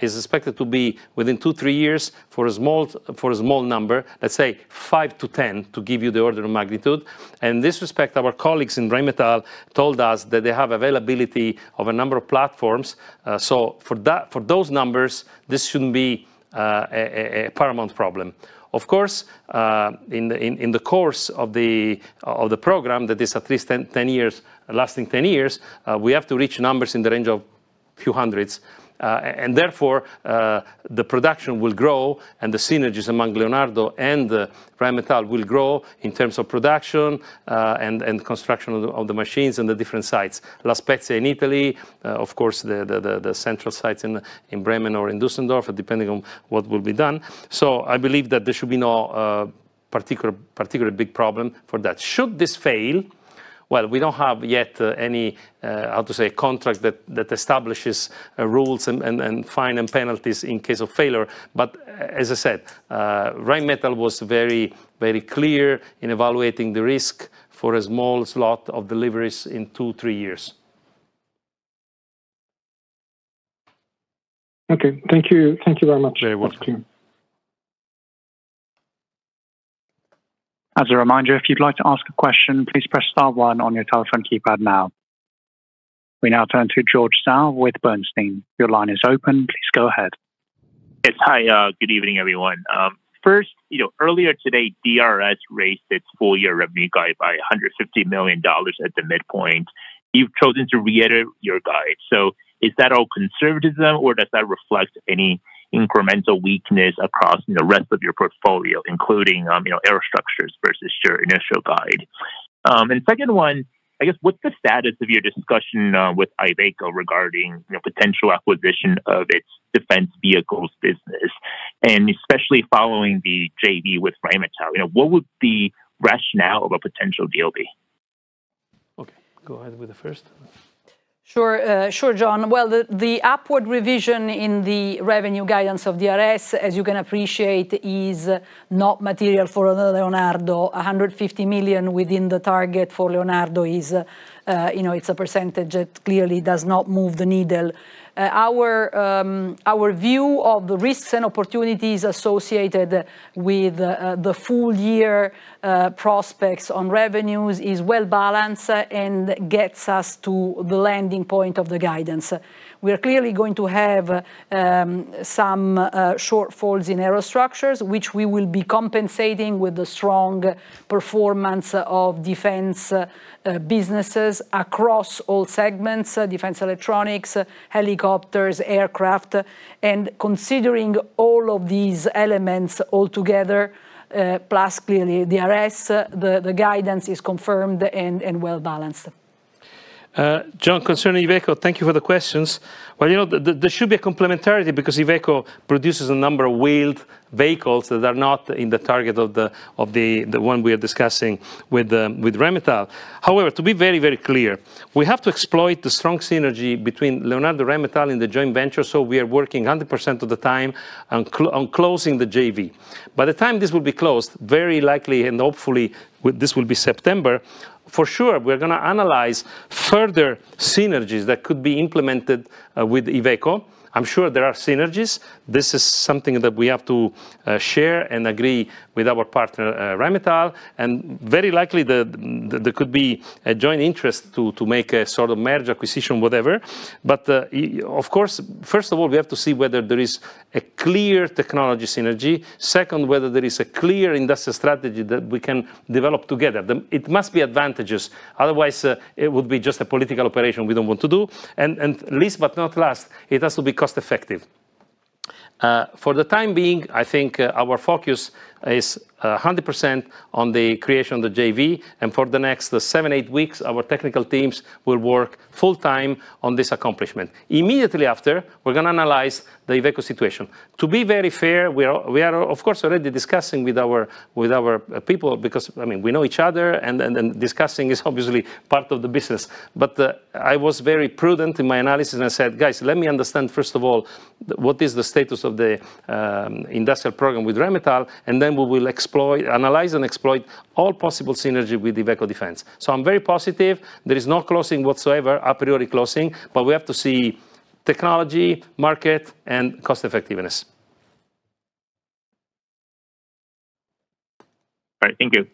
is expected to be within 2-3 years for a small number, let's say 5-10, to give you the order of magnitude. In this respect, our colleagues in Rheinmetall told us that they have availability of a number of platforms. So for that, for those numbers, this shouldn't be a paramount problem. Of course, in the course of the program, that is at least 10, 10 years, lasting 10 years, we have to reach numbers in the range of a few hundreds. And therefore, the production will grow, and the synergies among Leonardo and the Rheinmetall will grow in terms of production, and construction of the machines on the different sites. Last but in Italy, of course, the central sites in Bremen or in Düsseldorf, depending on what will be done. So I believe that there should be no particular big problem for that. Should this fail, well, we don't have yet any, how to say, contract that establishes rules and fines and penalties in case of failure, but as I said, Rheinmetall was very, very clear in evaluating the risk for a small slot of deliveries in 2-3 years. Okay, thank you. Thank you very much. (audio distortion) As a reminder, if you'd like to ask a question, please press star one on your telephone keypad now. We now turn to George Zhao with Bernstein. Your line is open, please go ahead. Yes, hi, good evening, everyone. First, you know, earlier today, DRS raised its full year revenue guide by $150 million at the midpoint. You've chosen to reiterate your guide. So is that all conservatism, or does that reflect any incremental weakness across, you know, the rest of your portfolio, including, you know, Aerostructures versus your initial guide? And second one, I guess, what's the status of your discussion with Iveco regarding, you know, potential acquisition of its defense vehicles business, and especially following the JV with Rheinmetall? You know, what would the rationale of a potential deal be? Okay, go ahead with the first. Sure. Sure, John. Well, the upward revision in the revenue guidance of DRS, as you can appreciate, is not material for Leonardo. $150 million within the target for Leonardo is, you know, it's a percentage that clearly does not move the needle. Our view of the risks and opportunities associated with the full year prospects on revenues is well-balanced and gets us to the landing point of the guidance. We are clearly going to have some shortfalls in Aerostructures, which we will be compensating with the strong performance of defense businesses across all segments, Defense Electronics, Helicopters, aircraft. And considering all of these elements altogether, plus clearly DRS, the guidance is confirmed and well-balanced. John, concerning Iveco, thank you for the questions. Well, you know, there should be a complementarity because Iveco produces a number of wheeled vehicles that are not in the target of the one we are discussing with Rheinmetall. However, to be very, very clear, we have to exploit the strong synergy between Leonardo, Rheinmetall, and the joint venture, so we are working 100% of the time on closing the JV. By the time this will be closed, very likely, and hopefully, with this will be September, for sure, we're gonna analyze further synergies that could be implemented with Iveco. I'm sure there are synergies. This is something that we have to share and agree with our partner, Rheinmetall, and very likely, there could be a joint interest to make a sort of merger, acquisition, whatever. But, of course, first of all, we have to see whether there is a clear technology synergy. Second, whether there is a clear industrial strategy that we can develop together. It must be advantages, otherwise, it would be just a political operation we don't want to do. And last but not least, it has to be cost effective. For the time being, I think, our focus is 100% on the creation of the JV, and for the next 7, 8 weeks, our technical teams will work full-time on this accomplishment. Immediately after, we're gonna analyze the Iveco situation. To be very fair, we are, of course, already discussing with our people, because, I mean, we know each other, and discussing is obviously part of the business. But, I was very prudent in my analysis, and I said, "Guys, let me understand, first of all, what is the status of the, industrial program with Rheinmetall, and then we will exploit, analyze and exploit all possible synergy with Iveco Defense." So I'm very positive there is no closing whatsoever, a priori closing, but we have to see technology, market, and cost effectiveness. All right. Thank you.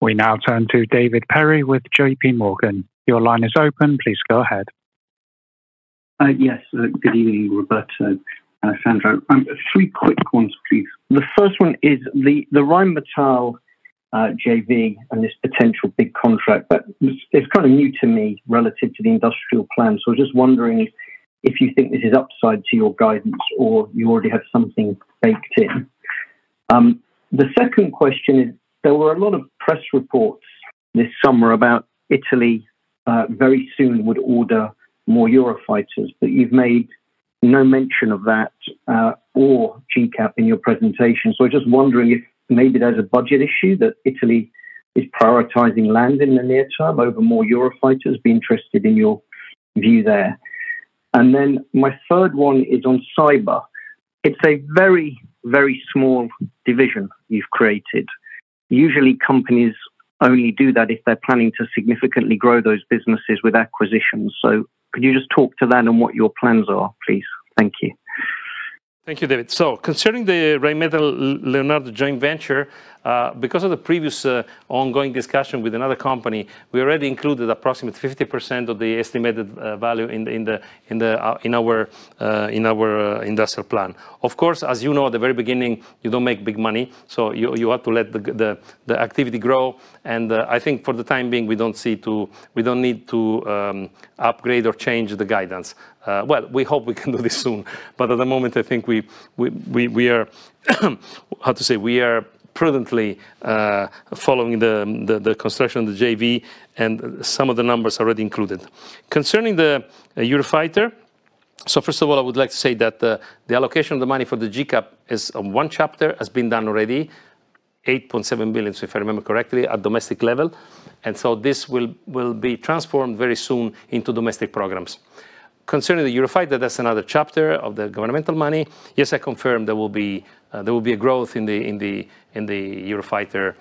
We now turn to David Perry with JPMorgan. Your line is open, please go ahead. Yes, good evening, Roberto and Sandra. Three quick ones, please. The first one is the Rheinmetall JV and this potential big contract, but it's kind of new to me relative to the industrial plan, so I'm just wondering if you think this is upside to your guidance or you already have something baked in? The second question is, there were a lot of press reports this summer about Italy very soon would order more Eurofighters, but you've made no mention of that or GCAP in your presentation. So I'm just wondering if maybe there's a budget issue, that Italy is prioritizing land in the near term over more Eurofighters. Be interested in your view there. And then, my third one is on cyber. It's a very, very small division you've created. Usually, companies only do that if they're planning to significantly grow those businesses with acquisitions. So could you just talk to that and what your plans are, please? Thank you. Thank you, David. So concerning the Rheinmetall-Leonardo joint venture, because of the previous, ongoing discussion with another company, we already included approximately 50% of the estimated value in our industrial plan. Of course, as you know, at the very beginning, you don't make big money, so you have to let the activity grow, and I think for the time being, we don't need to upgrade or change the guidance. Well, we hope we can do this soon, but at the moment, I think we are, how to say? We are prudently following the construction of the JV and some of the numbers already included. Concerning the Eurofighter, so first of all, I would like to say that the allocation of the money for the GCAP is one chapter, has been done already, 8.7 billion, if I remember correctly, at domestic level, and so this will be transformed very soon into domestic programs. Concerning the Eurofighter, that's another chapter of the governmental money. Yes, I confirm there will be a growth in the Eurofighter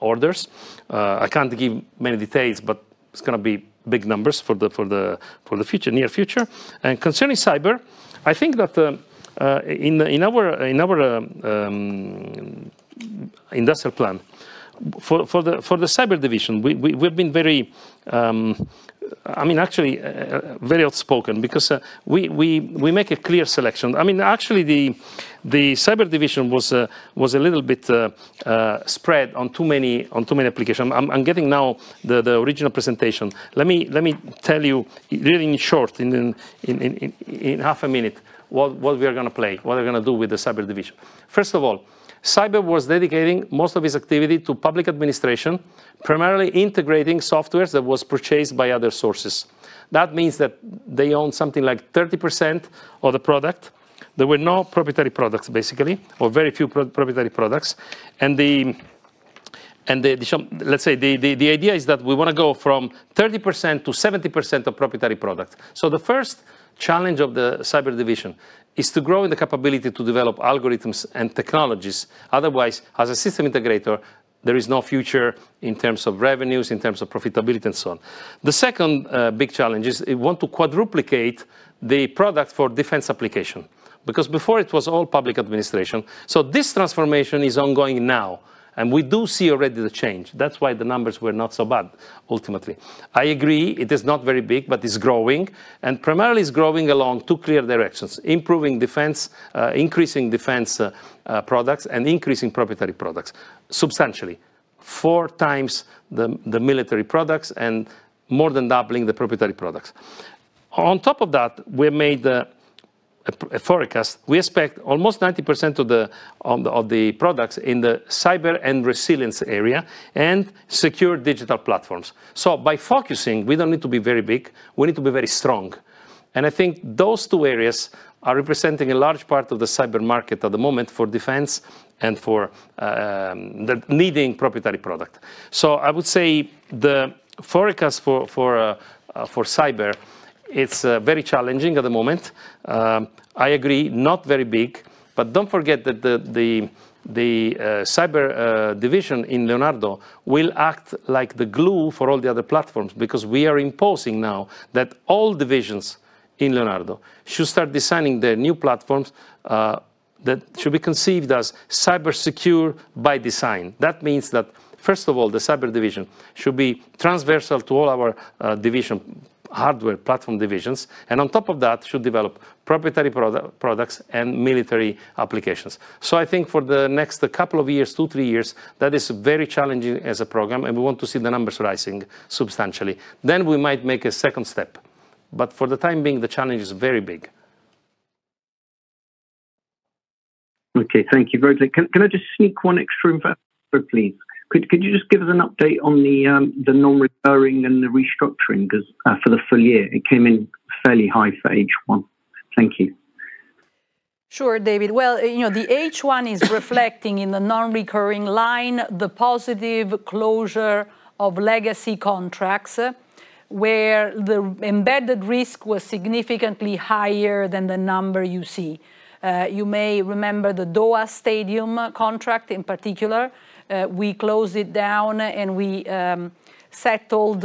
orders. I can't give many details, but it's gonna be big numbers for the future, near future. And concerning cyber, I think that in our industrial plan, for the Cyber Division, we've been very I mean, actually, very outspoken because we make a clear selection. I mean, actually, the Cyber Division was a little bit spread on too many applications. I'm getting now the original presentation. Let me tell you, really in short, in half a minute, what we are gonna play, what we're gonna do with the Cyber Division. First of all, cyber was dedicating most of its activity to public administration, primarily integrating software that was purchased by other sources. That means that they own something like 30% of the product. There were no proprietary products, basically, or very few proprietary products. And let's say, the idea is that we wanna go from 30%-70% of proprietary product. So the first challenge of the Cyber Division is to grow the capability to develop algorithms and technologies. Otherwise, as a system integrator, there is no future in terms of revenues, in terms of profitability, and so on. The second big challenge is, it want to quadruplicate the product for defense application, because before it was all public administration. So this transformation is ongoing now, and we do see already the change. That's why the numbers were not so bad, ultimately. I agree, it is not very big, but it's growing, and primarily it's growing along two clear directions: increasing defense products, and increasing proprietary products substantially. 4 times the military products and more than doubling the proprietary products. On top of that, we made a forecast. We expect almost 90% of the products in the cyber and resilience area, and secure digital platforms. So by focusing, we don't need to be very big, we need to be very strong. And I think those two areas are representing a large part of the cyber market at the moment for defense and for the needing proprietary product. So I would say the forecast for cyber, it's very challenging at the moment. I agree, not very big, but don't forget that the Cyber Division in Leonardo will act like the glue for all the other platforms, because we are imposing now that all divisions in Leonardo should start designing their new platforms that should be conceived as cyber secure by design. That means that, first of all, the Cyber Division should be transversal to all our division, hardware platform divisions, and on top of that, should develop proprietary products and military applications. So I think for the next couple of years, 2, 3 years, that is very challenging as a program, and we want to see the numbers rising substantially. Then we might make a second step, but for the time being, the challenge is very big. Okay, thank you very much. Can I just sneak one extra in fact, please? Could you just give us an update on the non-recurring and the restructuring, 'cause for the full year, it came in fairly high for H1. Thank you. Sure, David. Well, you know, the H1 is reflecting in the non-recurring line, the positive closure of legacy contracts, where the embedded risk was significantly higher than the number you see. You may remember the Doha Stadium contract in particular. We closed it down, and we settled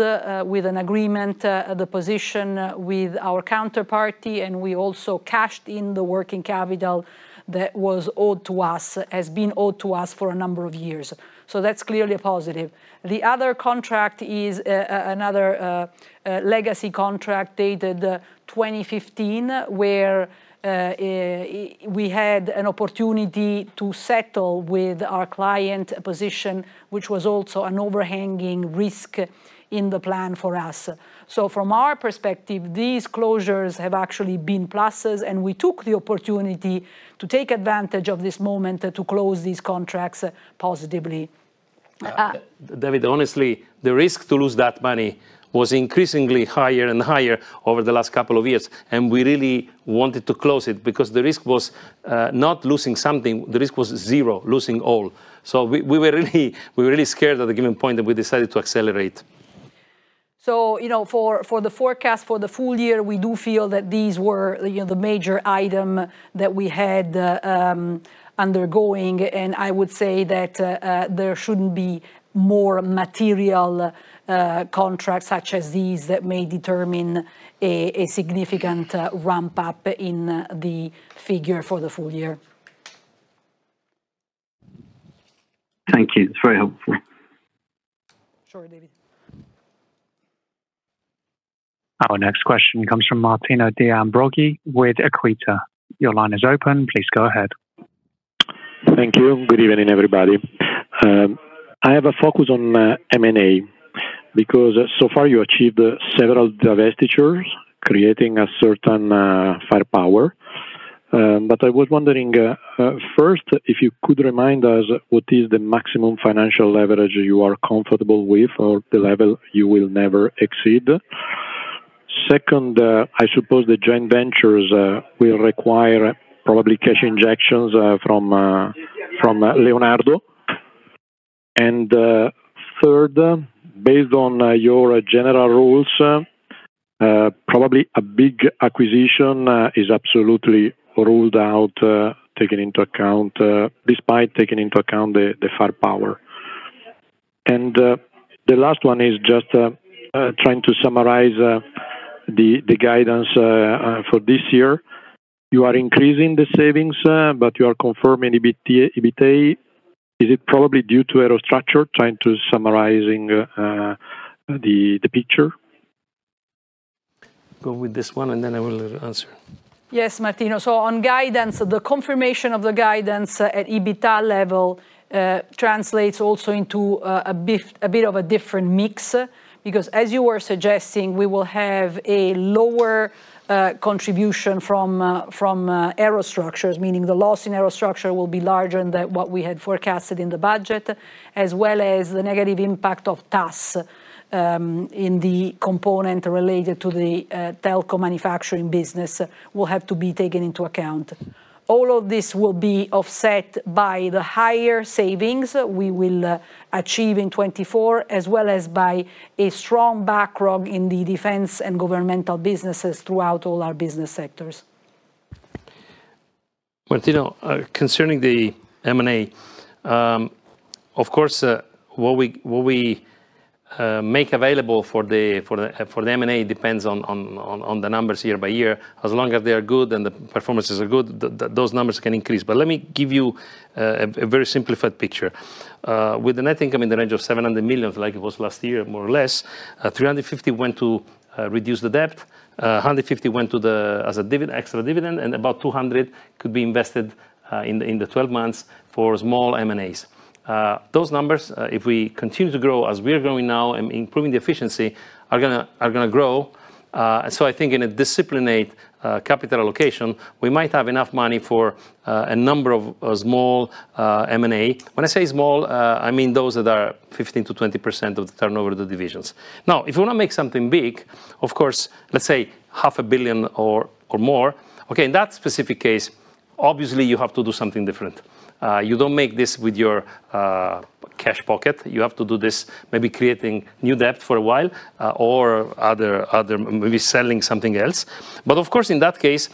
with an agreement the position with our counterparty, and we also cashed in the working capital that was owed to us, has been owed to us for a number of years. So that's clearly a positive. The other contract is another legacy contract dated 2015, where we had an opportunity to settle with our client position, which was also an overhanging risk in the plan for us. From our perspective, these closures have actually been pluses, and we took the opportunity to take advantage of this moment to close these contracts positively. David, honestly, the risk to lose that money was increasingly higher and higher over the last couple of years, and we really wanted to close it, because the risk was, not losing something, the risk was zero, losing all. So we, we were really we were really scared at a given point, and we decided to accelerate. So, you know, for the forecast for the full year, we do feel that these were, you know, the major item that we had undergoing, and I would say that there shouldn't be more material contracts such as these that may determine a significant ramp-up in the figure for the full year. Thank you. It's very helpful. Our next question comes from Martino De Ambroggi with Equita. Your line is open. Please go ahead. Thank you. Good evening, everybody. I have a focus on M&A, because so far you achieved several divestitures, creating a certain firepower. But I was wondering, first, if you could remind us what is the maximum financial leverage you are comfortable with, or the level you will never exceed? Second, I suppose the joint ventures will require probably cash injections from Leonardo. And third, based on your general rules, probably a big acquisition is absolutely ruled out, taking into account, despite taking into account the firepower. And the last one is just trying to summarize the guidance for this year. You are increasing the savings, but you are confirming EBITDA. Is it probably due to Aerostructures, trying to summarizing the picture? Go with this one, and then I will answer. Yes, Martino. So on guidance, the confirmation of the guidance at EBITDA level translates also into a bit of a different mix. Because as you were suggesting, we will have a lower contribution from Aerostructures, meaning the loss in Aerostructures will be larger than what we had forecasted in the budget, as well as the negative impact of TAS in the component related to the telco manufacturing business will have to be taken into account. All of this will be offset by the higher savings we will achieve in 2024, as well as by a strong backlog in the defense and governmental businesses throughout all our business sectors. Martino, concerning the M&A, of course, what we make available for the M&A depends on the numbers year by year. As long as they are good and the performances are good, those numbers can increase. But let me give you a very simplified picture. With a net income in the range of 700 million, like it was last year, more or less, 350 went to reduce the debt, 150 went to the, as a dividend, extra dividend, and about 200 could be invested in the 12 months for small M&As. Those numbers, if we continue to grow as we are growing now and improving the efficiency, are gonna grow. So I think in a disciplined capital location, we might have enough money for a number of small M&A. When I say small, I mean those that are 15%-20% of the turnover of the divisions. Now, if you want to make something big, of course, let's say 500 million or more, okay, in that specific case, obviously you have to do something different. You don't make this with your cash pocket. You have to do this, maybe creating new debt for a while, or other maybe selling something else. But of course, in that case,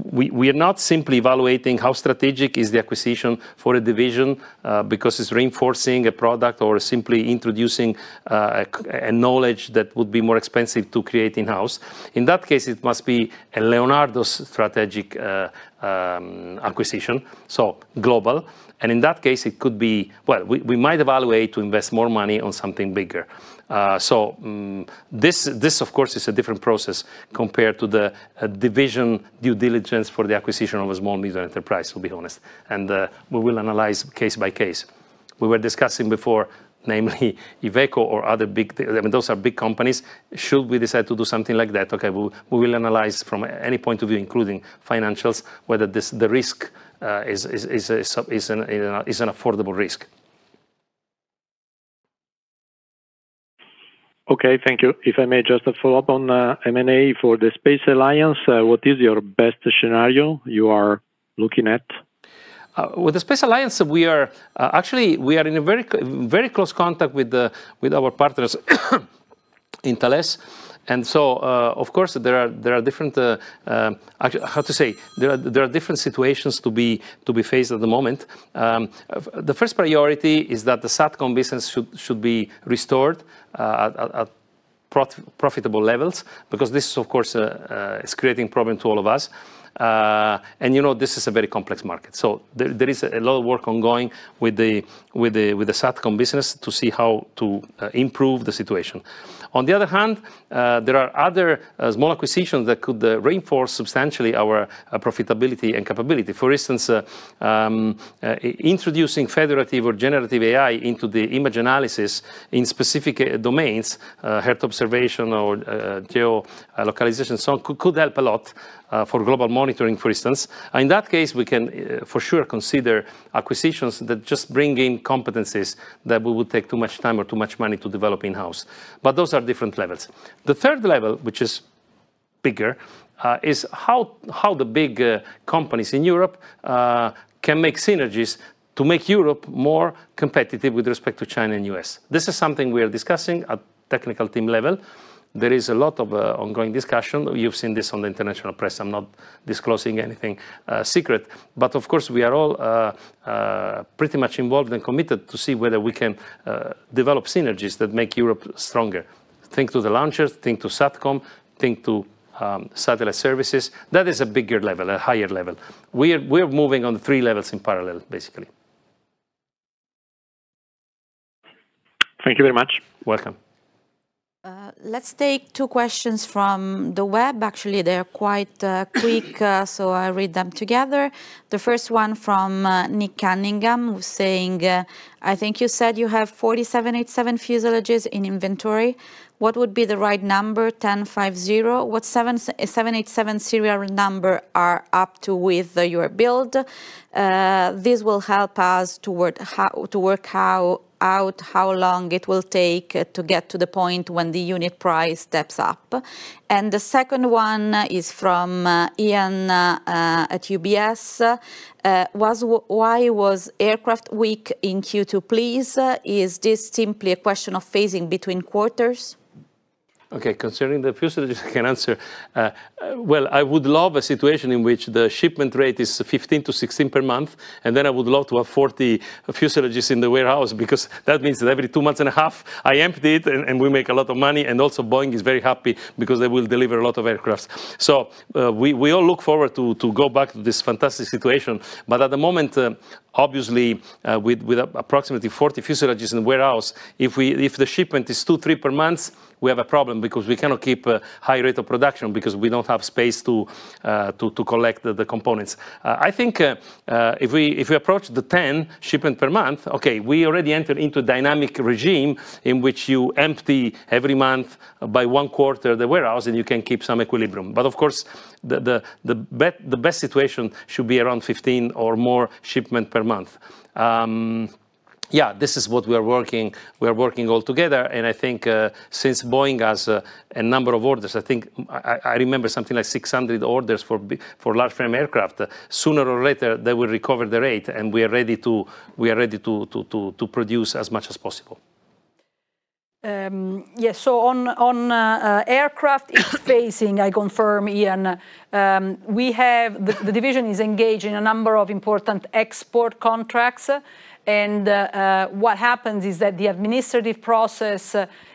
we are not simply evaluating how strategic is the acquisition for a division, because it's reinforcing a product or simply introducing a knowledge that would be more expensive to create in-house. In that case, it must be a Leonardo strategic acquisition, so global. And in that case, it could be well, we might evaluate to invest more money on something bigger. This, of course, is a different process compared to the division due diligence for the acquisition of a small and medium enterprise, to be honest, and we will analyze case by case. We were discussing before, namely Iveco or other big, I mean, those are big companies, should we decide to do something like that? Okay, we will analyze from any point of view, including financials, whether this, the risk is an affordable risk. Okay, thank you. If I may just follow up on M&A for the Space Alliance, what is your best scenario you are looking at? With the Space Alliance, we are actually in a very close contact with our partners, Thales. And so, of course, there are different situations to be faced at the moment. The first priority is that the SATCOM business should be restored at profitable levels, because this, of course, is creating problem to all of us. And, you know, this is a very complex market. So there is a lot of work ongoing with the SATCOM business to see how to improve the situation. On the other hand, there are other small acquisitions that could reinforce substantially our profitability and capability. For instance, introducing federated or generative AI into the image analysis in specific domains, Earth observation or geolocalization, so could help a lot for global monitoring, for instance. In that case, we can for sure consider acquisitions that just bring in competencies that would take too much time or too much money to develop in-house, but those are different levels. The third level, which is bigger, is how the big companies in Europe can make synergies to make Europe more competitive with respect to China and U.S. This is something we are discussing at technical team level. There is a lot of ongoing discussion. You've seen this on the international press. I'm not disclosing anything secret, but of course, we are all pretty much involved and committed to see whether we can develop synergies that make Europe stronger. Think to the launchers, think to SATCOM, think to satellite services. That is a bigger level, a higher level. We're, we're moving on three levels in parallel, basically. Thank you very much. Welcome. Let's take two questions from the web. Actually, they are quite quick, so I read them together. The first one from Nick Cunningham, saying, "I think you said you have 47 787 fuselages in inventory. What would be the right number, 10, 5, 0? What 787 serial number are you up to with your build? This will help us to work out how long it will take to get to the point when the unit price steps up." And the second one is from Ian at UBS, which was, "Why was Aircraft weak in Q2 please? Is this simply a question of phasing between quarters? Okay, concerning the fuselages, I can answer. Well, I would love a situation in which the shipment rate is 15-16 per month, and then I would love to have 40 fuselages in the warehouse, because that means that every two months and a half, I empty it, and we make a lot of money. And also Boeing is very happy because they will deliver a lot of aircrafts. So, we all look forward to go back to this fantastic situation. But at the moment, obviously, with approximately 40 fuselages in the warehouse, if the shipment is 2-3 per month, we have a problem, because we cannot keep a high rate of production because we don't have space to collect the components. I think, if we, if we approach the 10 shipments per month, okay, we already entered into dynamic regime, in which you empty every month by one quarter the warehouse, and you can keep some equilibrium. But of course, the best situation should be around 15 or more shipments per month. Yeah, this is what we are working, we are working all together, and I think, since Boeing has, a number of orders, I think I remember something like 600 orders for large frame Aircraft, sooner or later, they will recover the rate, and we are ready to, We are ready to produce as much as possible. Yes, so on Aircraft phasing, I confirm, Ian, the division is engaged in a number of important export contracts. What happens is that the administrative process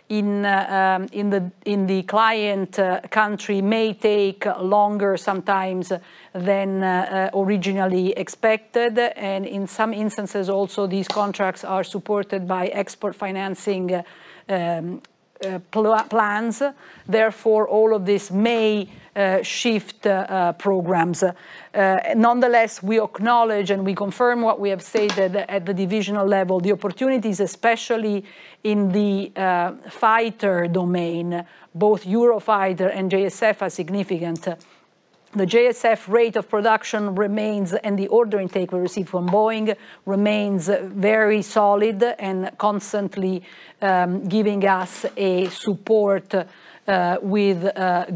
in the client country may take longer sometimes than originally expected. In some instances, also, these contracts are supported by export financing plans. Therefore, all of this may shift programs. Nonetheless, we acknowledge and we confirm what we have stated at the divisional level, the opportunities, especially in the fighter domain, both Eurofighter and JSF, are significant. The JSF rate of production remains, and the order intake we received from Boeing remains very solid and constantly giving us a support with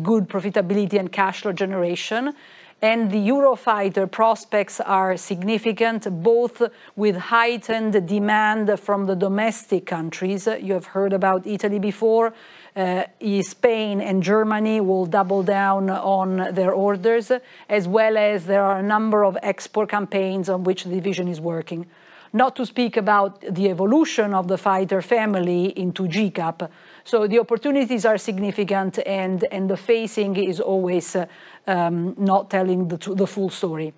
good profitability and cash flow generation. The Eurofighter prospects are significant, both with heightened demand from the domestic countries. You have heard about Italy before. Spain and Germany will double down on their orders, as well as there are a number of export campaigns on which the division is working. Not to speak about the evolution of the fighter family into GCAP. So the opportunities are significant, and the phasing is always not telling the full story.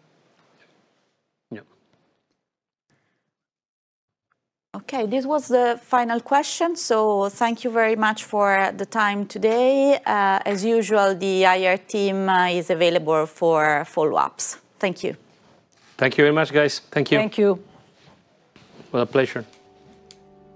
Yeah. Okay, this was the final question, so thank you very much for the time today. As usual, the IR team is available for follow-ups. Thank you. Thank you very much, guys. Thank you. Thank you. Well, a pleasure.